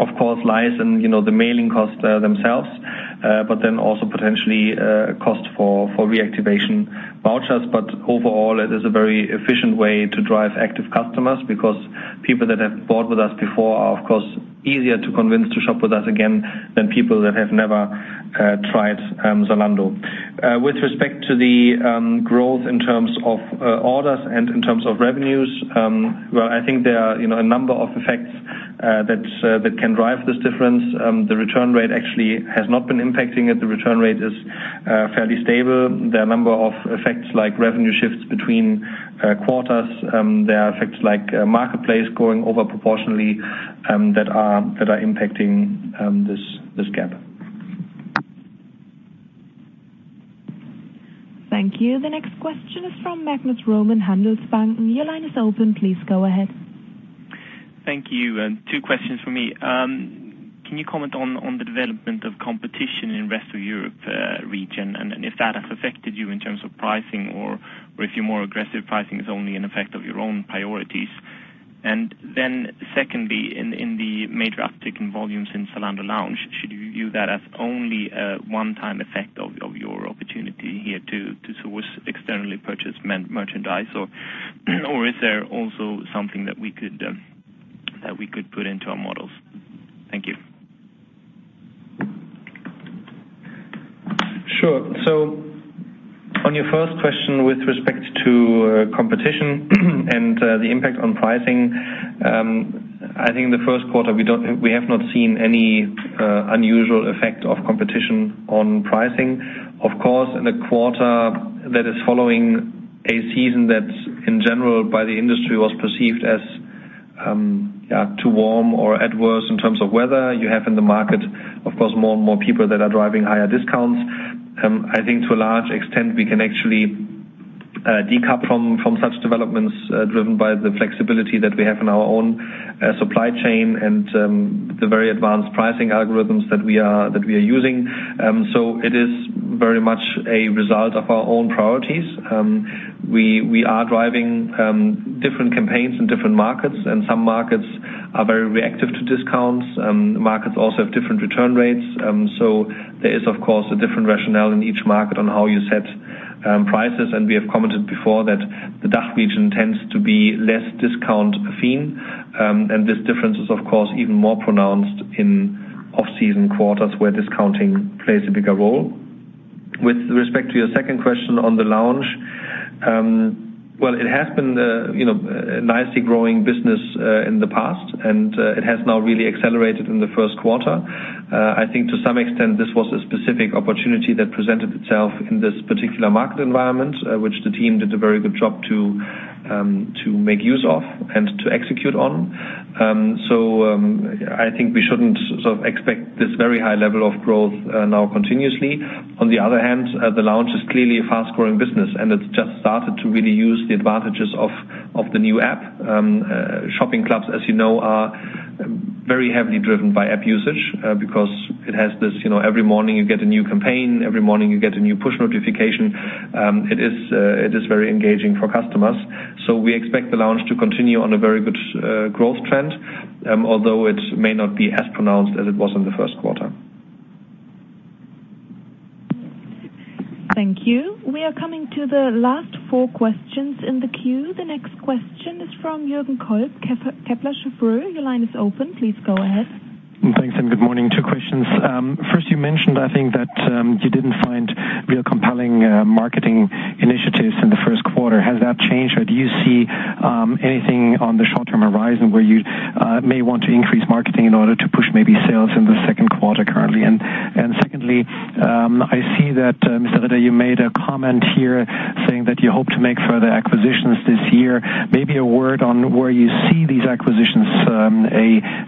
of course, lies in the mailing cost themselves. Also potentially cost for reactivation vouchers. Overall, it is a very efficient way to drive active customers because people that have bought with us before are, of course, easier to convince to shop with us again than people that have never tried Zalando. With respect to the growth in terms of orders and in terms of revenues, well, I think there are a number of effects that can drive this difference. The return rate actually has not been impacting it. The return rate is fairly stable. There are a number of effects like revenue shifts between quarters. There are effects like marketplace going over proportionally that are impacting this gap. Thank you. The next question is from Magnus Råman in Handelsbanken. Your line is open. Please go ahead. Thank you. Two questions from me. Can you comment on the development of competition in Rest of Europe region, and if that has affected you in terms of pricing or if your more aggressive pricing is only an effect of your own priorities? Secondly, in the major uptick in volumes in Zalando Lounge, should you view that as only a one-time effect of your opportunity here to source externally purchase merchandise? Or is there also something that we could put into our models? Thank you. Sure. On your first question with respect to competition and the impact on pricing, I think in the first quarter we have not seen any unusual effect of competition on pricing. Of course, in a quarter that is following a season that's in general, by the industry was perceived as too warm or adverse in terms of weather, you have in the market, of course, more and more people that are driving higher discounts. I think to a large extent, we can actually decouple from such developments driven by the flexibility that we have in our own supply chain and the very advanced pricing algorithms that we are using. It is very much a result of our own priorities. We are driving different campaigns in different markets, and some markets are very reactive to discounts. Markets also have different return rates. There is, of course, a different rationale in each market on how you set prices. We have commented before that the DACH region tends to be less discount affine. This difference is, of course, even more pronounced in off-season quarters where discounting plays a bigger role. With respect to your second question on the lounge. Well, it has been a nicely growing business in the past, and it has now really accelerated in the first quarter. I think to some extent, this was a specific opportunity that presented itself in this particular market environment, which the team did a very good job to make use of and to execute on. I think we shouldn't sort of expect this very high level of growth now continuously. On the other hand, the lounge is clearly a fast-growing business, and it's just started to really use the advantages of the new app. Shopping clubs, as you know, are very heavily driven by app usage because it has this every morning you get a new campaign. Every morning you get a new push notification. It is very engaging for customers. We expect the lounge to continue on a very good growth trend. Although it may not be as pronounced as it was in the first quarter. Thank you. We are coming to the last four questions in the queue. The next question is from Jürgen Kolb, Kepler Cheuvreux. Your line is open. Please go ahead. Thanks, good morning. Two questions. First, you mentioned, I think, that you did not find real compelling marketing initiatives in the first quarter. Has that changed, or do you see anything on the short-term horizon where you may want to increase marketing in order to push maybe sales in the second quarter currently? Secondly, I see that, Rubin Ritter, you made a comment here saying that you hope to make further acquisitions this year. Maybe a word on where you see these acquisitions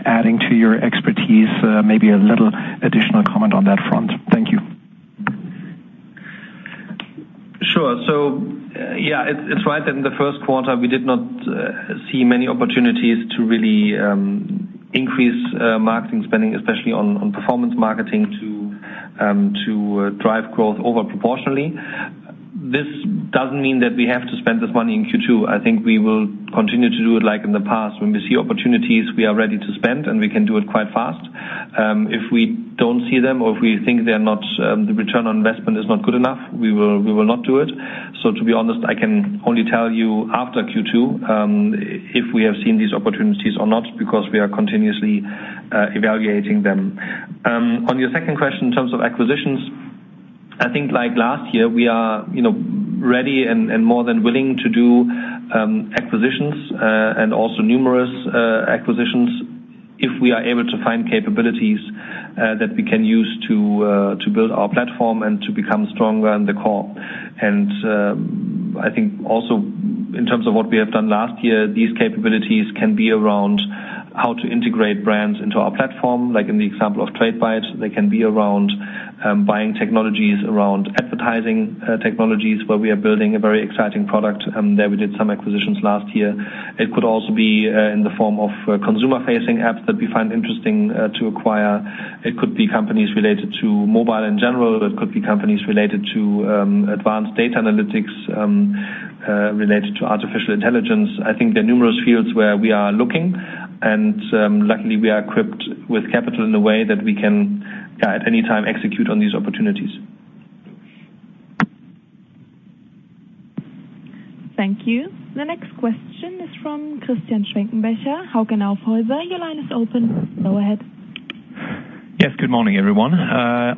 adding to your expertise. Maybe a little additional comment on that front. Thank you. Sure. Yeah, it is right that in the first quarter we did not see many opportunities to really increase marketing spending, especially on performance marketing to drive growth over proportionally. This does not mean that we have to spend this money in Q2. I think we will continue to do it like in the past. When we see opportunities, we are ready to spend, we can do it quite fast. If we do not see them or if we think the return on investment is not good enough, we will not do it. To be honest, I can only tell you after Q2 if we have seen these opportunities or not, because we are continuously evaluating them. On your second question, in terms of acquisitions, I think like last year, we are ready and more than willing to do acquisitions, and also numerous acquisitions if we are able to find capabilities that we can use to build our platform and to become stronger in the core. I think also in terms of what we have done last year, these capabilities can be around how to integrate brands into our platform. Like in the example of Tradebyte, they can be around buying technologies, around advertising technologies, where we are building a very exciting product. There, we did some acquisitions last year. It could also be in the form of consumer-facing apps that we find interesting to acquire. It could be companies related to mobile in general. It could be companies related to advanced data analytics, related to artificial intelligence. I think there are numerous fields where we are looking, and luckily, we are equipped with capital in a way that we can, at any time, execute on these opportunities. Thank you. The next question is from Christian Schwenkenbecher, Hauck & Aufhäuser. Your line is open. Go ahead. Yes, good morning, everyone.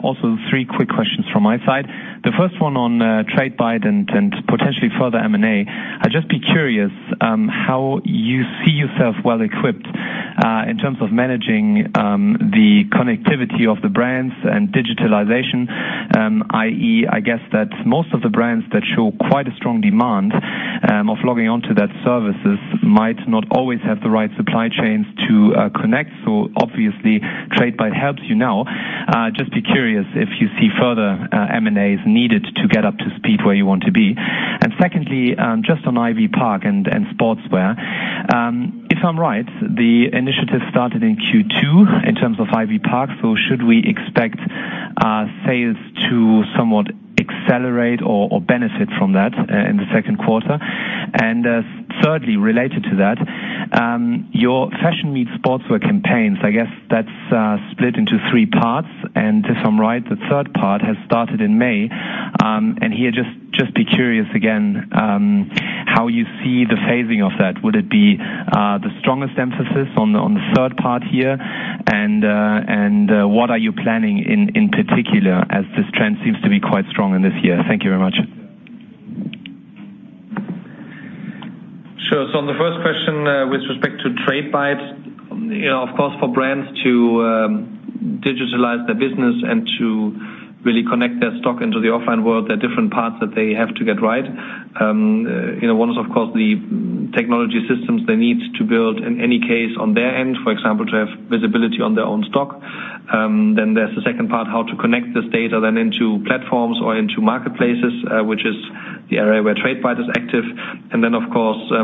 Also, three quick questions from my side. The first one on Tradebyte and potentially further M&A. I'd just be curious how you see yourself well-equipped in terms of managing the connectivity of the brands and digitalization, i.e., I guess that most of the brands that show quite a strong demand of logging on to that services might not always have the right supply chains to connect. Obviously, Tradebyte helps you now. Just be curious if you see further M&As needed to get up to speed where you want to be. Secondly, just on Ivy Park and sportswear. If I'm right, the initiative started in Q2 in terms of Ivy Park. Should we expect sales to somewhat accelerate or benefit from that in the second quarter? Thirdly, related to that, your Fashion Meets Sportswear campaigns, I guess that's split into three parts. If I'm right, the third part has started in May. Here, just be curious again how you see the phasing of that. Would it be the strongest emphasis on the third part here? What are you planning in particular as this trend seems to be quite strong in this year? Thank you very much. Sure. On the first question with respect to Tradebyte. Of course, for brands to digitalize their business and to really connect their stock into the offline world, there are different parts that they have to get right. One is, of course, the technology systems they need to build in any case on their end. For example, to have visibility on their own stock. There's the second part, how to connect this data then into platforms or into marketplaces, which is the area where Tradebyte is active. Then, of course, there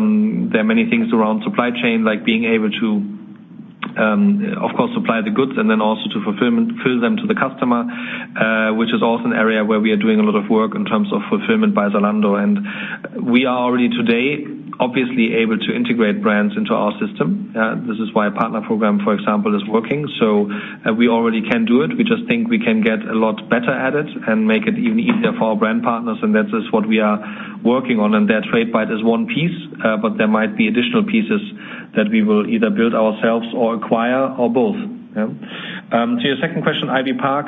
are many things around supply chain, like being able to, of course, supply the goods and then also to fulfill them to the customer, which is also an area where we are doing a lot of work in terms of fulfillment by Zalando. We are already today obviously able to integrate brands into our system. This is why a partner program, for example, is working. We already can do it. We just think we can get a lot better at it and make it even easier for our brand partners, that is what we are working on. There, Tradebyte is one piece. There might be additional pieces that we will either build ourselves or acquire or both. To your second question, Ivy Park.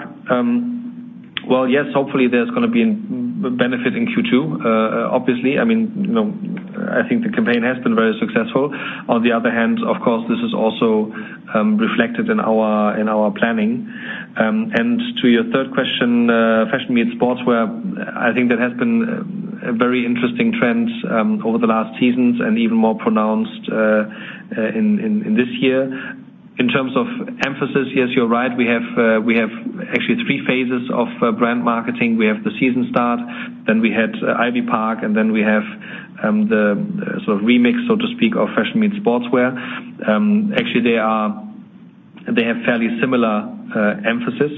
Yes, hopefully, there's going to be a benefit in Q2. Obviously, I think the campaign has been very successful. On the other hand, of course, this is also reflected in our planning. To your third question, Fashion Meets Sportswear. I think there has been a very interesting trend over the last seasons and even more pronounced in this year. In terms of emphasis, yes, you're right. We have actually three phases of brand marketing. We have the season start, then we had Ivy Park, and then we have the sort of remix, so to speak, of Fashion Meets Sportswear. Actually, they have fairly similar emphasis.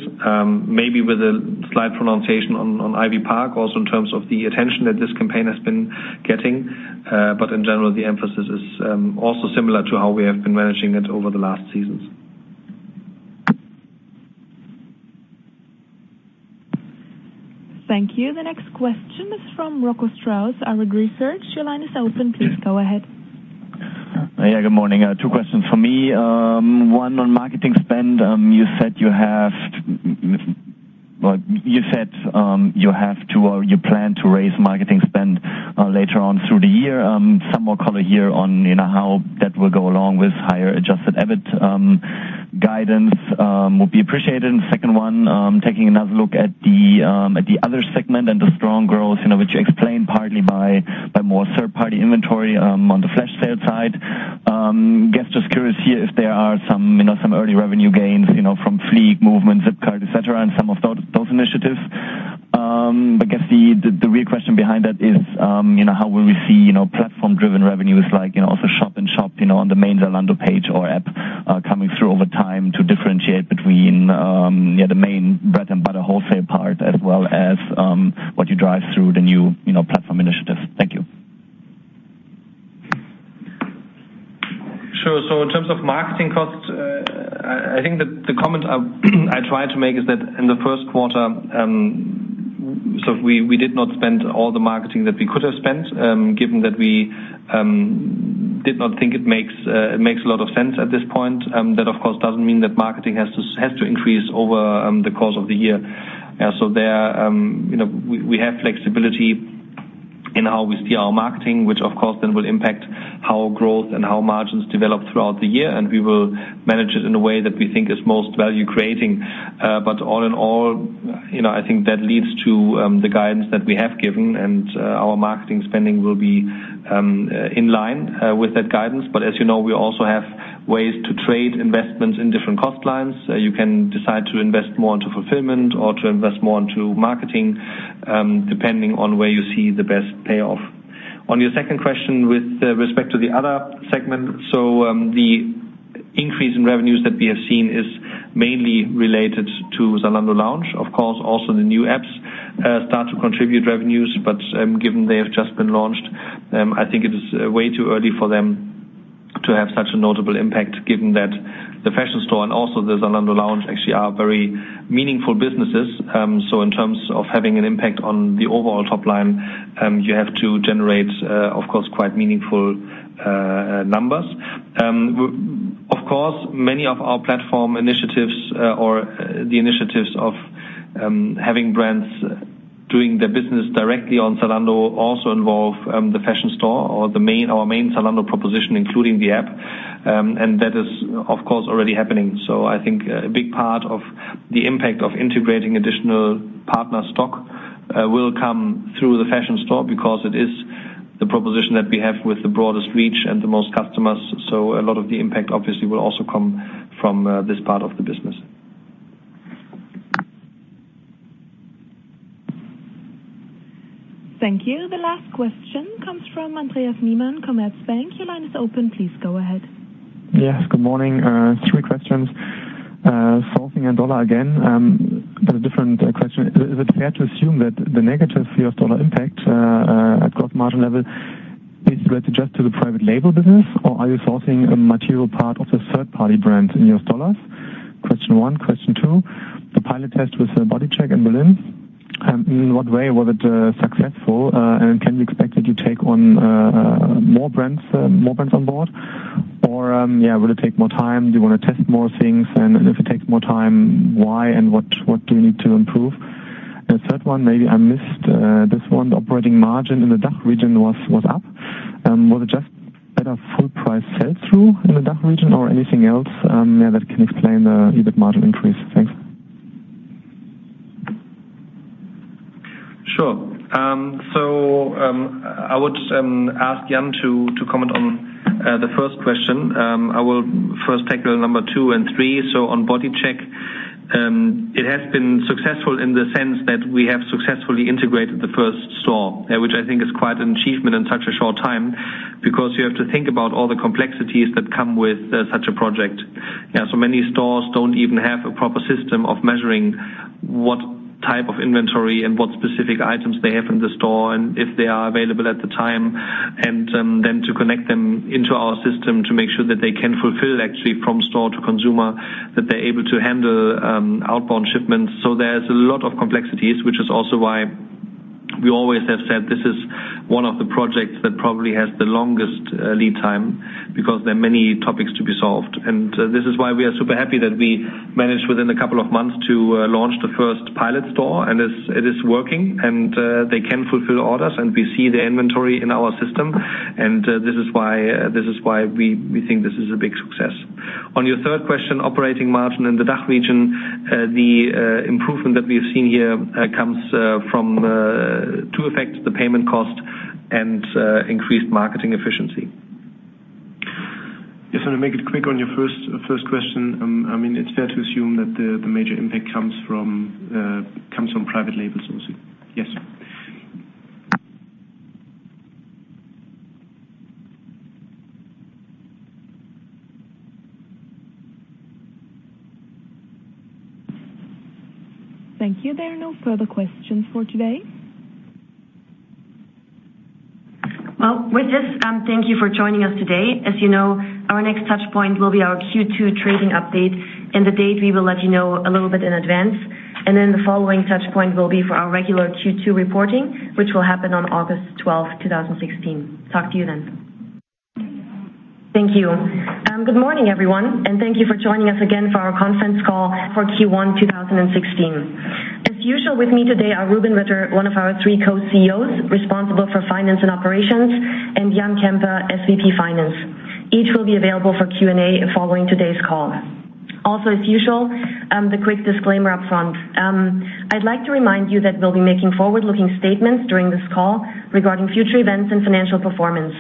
Maybe with a slight pronunciation on Ivy Park, also in terms of the attention that this campaign has been getting. In general, the emphasis is also similar to how we have been managing it over the last seasons. Thank you. The next question is from Rocco Strauss, Arete Research. Your line is open. Please go ahead. Good morning. Two questions from me. One on marketing spend. You said you plan to raise marketing spend later on through the year. Some more color here on how that will go along with higher adjusted EBIT guidance will be appreciated. Second one, taking another look at the other segment and the strong growth, which you explained partly by more third-party inventory on the flash sale side. Guess just curious here if there are some early revenue gains from Fleek, MOVMNT, ZipCart, et cetera, and some of those initiatives. I see the real question behind that is how will we see platform-driven revenues like also shop in shop on the main Zalando page or app coming through over time to differentiate between the main bread-and-butter wholesale part, as well as what you drive through the new platform initiatives. Thank you. Sure. In terms of marketing costs, I think that the comment I tried to make is that in the first quarter, we did not spend all the marketing that we could have spent, given that we did not think it makes a lot of sense at this point. That, of course, doesn't mean that marketing has to increase over the course of the year. There, we have flexibility in how we see our marketing, which of course then will impact how growth and how margins develop throughout the year. We will manage it in a way that we think is most value-creating. All in all, I think that leads to the guidance that we have given, and our marketing spending will be in line with that guidance. As you know, we also have ways to trade investments in different cost lines. You can decide to invest more into fulfillment or to invest more into marketing, depending on where you see the best payoff. On your second question, with respect to the other segment, the increase in revenues that we have seen is mainly related to Zalando Lounge. Of course, also the new apps start to contribute revenues, but given they have just been launched, I think it is way too early for them to have such a notable impact, given that the fashion store and also the Zalando Lounge actually are very meaningful businesses. In terms of having an impact on the overall top line, you have to generate, of course, quite meaningful numbers. Of course, many of our platform initiatives or the initiatives of having brands doing their business directly on Zalando also involve the fashion store or our main Zalando proposition, including the app. That is, of course, already happening. I think a big part of the impact of integrating additional partner stock will come through the fashion store because it is the proposition that we have with the broadest reach and the most customers. A lot of the impact obviously will also come from this part of the business. Thank you. The last question comes from Andreas Riemann, Commerzbank. Your line is open. Please go ahead. Yes, good morning. Three questions. Sourcing and dollar again, but a different question. Is it fair to assume that the negative Euro-dollar impact at gross margin level is related just to the private label business, or are you sourcing a material part of the third-party brand in US dollars? Question one. Question two, the pilot test with Bodycheck in Berlin. In what way was it successful and can we expect that you take on more brands on board? Or will it take more time? Do you want to test more things? If it takes more time, why and what do you need to improve? Third one, maybe I missed this one. The operating margin in the DACH region was up. Was it just better full price sell-through in the DACH region or anything else that can explain the EBIT margin increase? Thanks. Sure. I would ask Jan to comment on the first question. I will first take the number 2 and 3. On Bodycheck, it has been successful in the sense that we have successfully integrated the first store, which I think is quite an achievement in such a short time, because you have to think about all the complexities that come with such a project. Many stores don't even have a proper system of measuring what type of inventory and what specific items they have in the store and if they are available at the time. Then to connect them into our system to make sure that they can fulfill actually from store to consumer, that they're able to handle outbound shipments. There's a lot of complexities, which is also why we always have said this is one of the projects that probably has the longest lead time because there are many topics to be solved. This is why we are super happy that we managed within a couple of months to launch the first pilot store, and it is working, and they can fulfill orders, and we see the inventory in our system. This is why we think this is a big success. On your third question, operating margin in the DACH region, the improvement that we have seen here comes from two effects, the payment cost and increased marketing efficiency. Yes, to make it quick on your first question, it's fair to assume that the major impact comes from private label sourcing. Yes. Thank you. There are no further questions for today. Well, with this, thank you for joining us today. As you know, our next touchpoint will be our Q2 trading update, the date we will let you know a little bit in advance. Then the following touchpoint will be for our regular Q2 reporting, which will happen on August 12th, 2016. Talk to you then. Thank you. Good morning, everyone, thank you for joining us again for our conference call for Q1 2016. As usual, with me today are Rubin Ritter, one of our three co-CEOs responsible for finance and operations, and Jan Kemper, SVP Finance. Each will be available for Q&A following today's call. Also, as usual, the quick disclaimer up front. I'd like to remind you that we'll be making forward-looking statements during this call regarding future events and financial performance.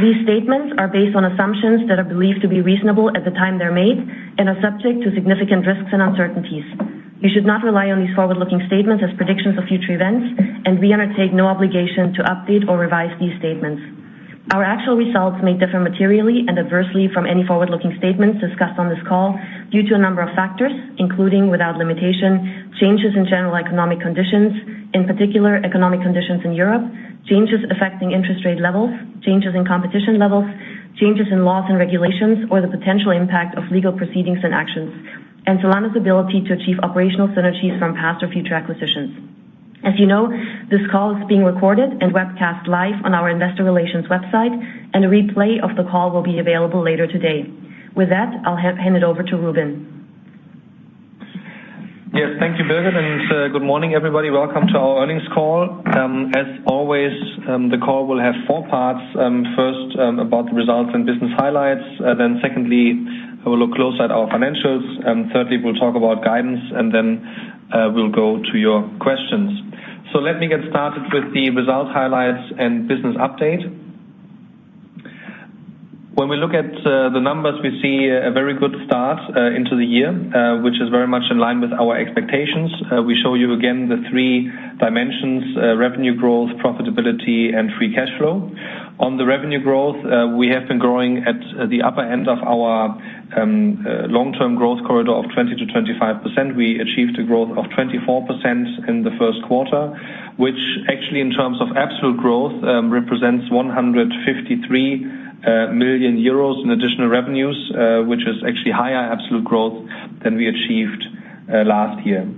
These statements are based on assumptions that are believed to be reasonable at the time they're made and are subject to significant risks and uncertainties. You should not rely on these forward-looking statements as predictions of future events, we undertake no obligation to update or revise these statements. Our actual results may differ materially and adversely from any forward-looking statements discussed on this call due to a number of factors, including, without limitation, changes in general economic conditions, in particular, economic conditions in Europe, changes affecting interest rate levels, changes in competition levels, changes in laws and regulations, or the potential impact of legal proceedings and actions, Zalando's ability to achieve operational synergies from past or future acquisitions. As you know, this call is being recorded and webcast live on our investor relations website, a replay of the call will be available later today. With that, I'll hand it over to Rubin. Yes. Thank you, Birgit, and good morning, everybody. Welcome to our earnings call. As always, the call will have four parts. First, about the results and business highlights. Secondly, we'll look close at our financials. Thirdly, we'll talk about guidance, and we'll go to your questions. Let me get started with the result highlights and business update. When we look at the numbers, we see a very good start into the year, which is very much in line with our expectations. We show you again the three dimensions, revenue growth, profitability, and free cash flow. On the revenue growth, we have been growing at the upper end of our long-term growth corridor of 20%-25%. We achieved a growth of 24% in the first quarter, which actually, in terms of absolute growth, represents 153 million euros in additional revenues, which is actually higher absolute growth than we achieved last year.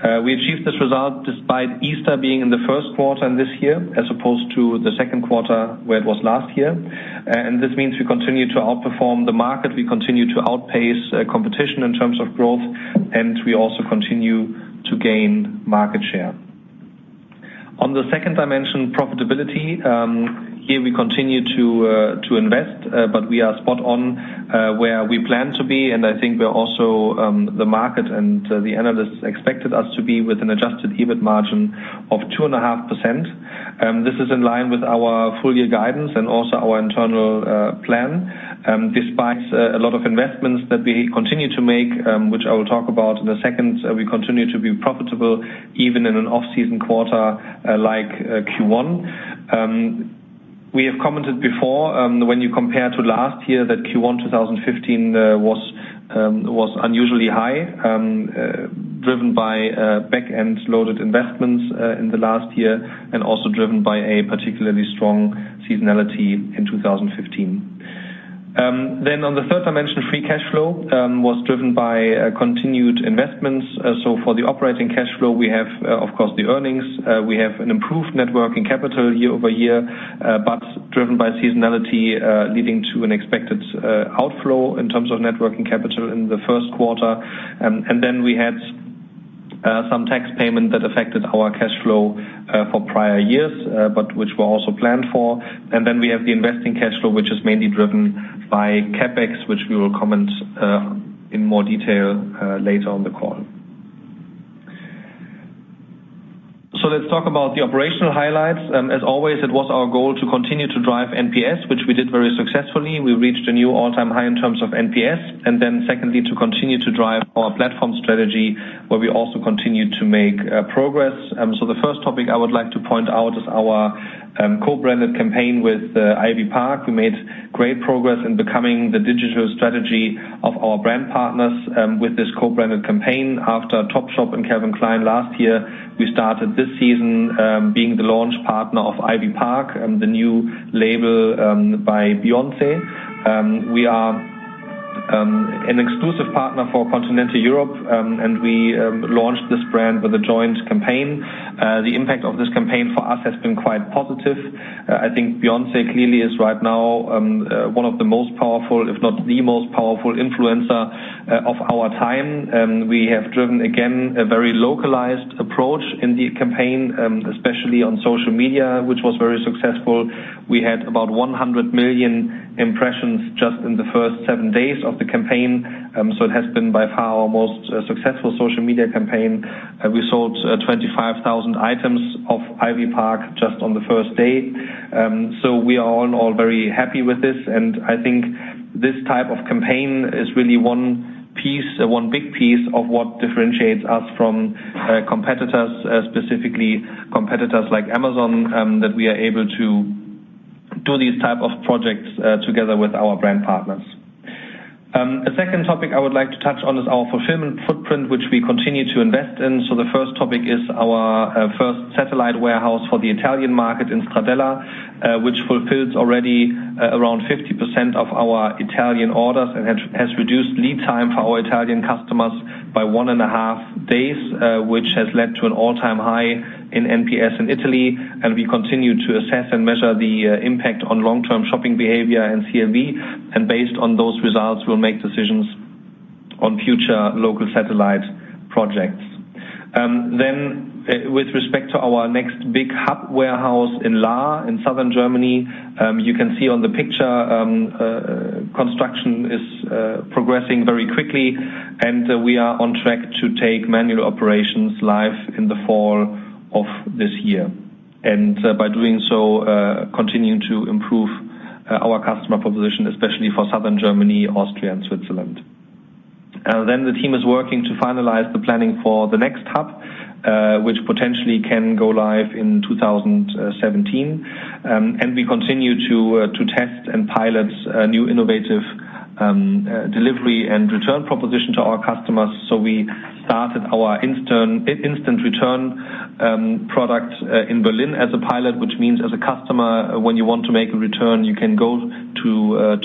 We achieved this result despite Easter being in the first quarter in this year as opposed to the second quarter where it was last year. This means we continue to outperform the market, we continue to outpace competition in terms of growth, and we also continue to gain market share. On the second dimension, profitability. Here we continue to invest, we are spot on where we plan to be. I think we are also the market, and the analysts expected us to be with an adjusted EBIT margin of 2.5%. This is in line with our full year guidance and also our internal plan. Despite a lot of investments that we continue to make, which I will talk about in a second, we continue to be profitable even in an off-season quarter like Q1. We have commented before, when you compare to last year, that Q1 2015 was unusually high, driven by back-end loaded investments in the last year and also driven by a particularly strong seasonality in 2015. On the third dimension, free cash flow was driven by continued investments. For the operating cash flow, we have, of course, the earnings. We have an improved net working capital year-over-year, driven by seasonality, leading to an expected outflow in terms of net working capital in the first quarter. We had some tax payment that affected our cash flow for prior years, which were also planned for. We have the investing cash flow, which is mainly driven by CapEx, which we will comment in more detail later on the call. Let's talk about the operational highlights. As always, it was our goal to continue to drive NPS, which we did very successfully. We reached a new all-time high in terms of NPS. Secondly, to continue to drive our platform strategy, where we also continued to make progress. The first topic I would like to point out is our co-branded campaign with Ivy Park. We made great progress in becoming the digital strategy of our brand partners with this co-branded campaign. After Topshop and Calvin Klein last year, we started this season being the launch partner of Ivy Park, the new label by Beyoncé. We are an exclusive partner for Continental Europe, and we launched this brand with a joint campaign. The impact of this campaign for us has been quite positive. I think Beyoncé clearly is right now one of the most powerful, if not the most powerful influencer of our time. We have driven, again, a very localized approach in the campaign, especially on social media, which was very successful. We had about 100 million impressions just in the first 7 days of the campaign. It has been by far our most successful social media campaign. We sold 25,000 items of Ivy Park just on the first day. We are all very happy with this, and I think this type of campaign is really one big piece of what differentiates us from competitors, specifically competitors like Amazon, that we are able to do these type of projects together with our brand partners. A second topic I would like to touch on is our fulfillment footprint, which we continue to invest in. The first topic is our first satellite warehouse for the Italian market in Stradella, which fulfills already around 50% of our Italian orders and has reduced lead time for our Italian customers by one and a half days, which has led to an all-time high in NPS in Italy. We continue to assess and measure the impact on long-term shopping behavior and CLV. Based on those results, we'll make decisions on future local satellite projects. With respect to our next big hub warehouse in Lahr in southern Germany, you can see on the picture, construction is progressing very quickly, and we are on track to take manual operations live in the fall of this year. By doing so, continuing to improve our customer proposition, especially for southern Germany, Austria, and Switzerland. The team is working to finalize the planning for the next hub, which potentially can go live in 2017. We continue to test and pilot new innovative delivery and return proposition to our customers. We started our instant return product in Berlin as a pilot, which means as a customer, when you want to make a return, you can go to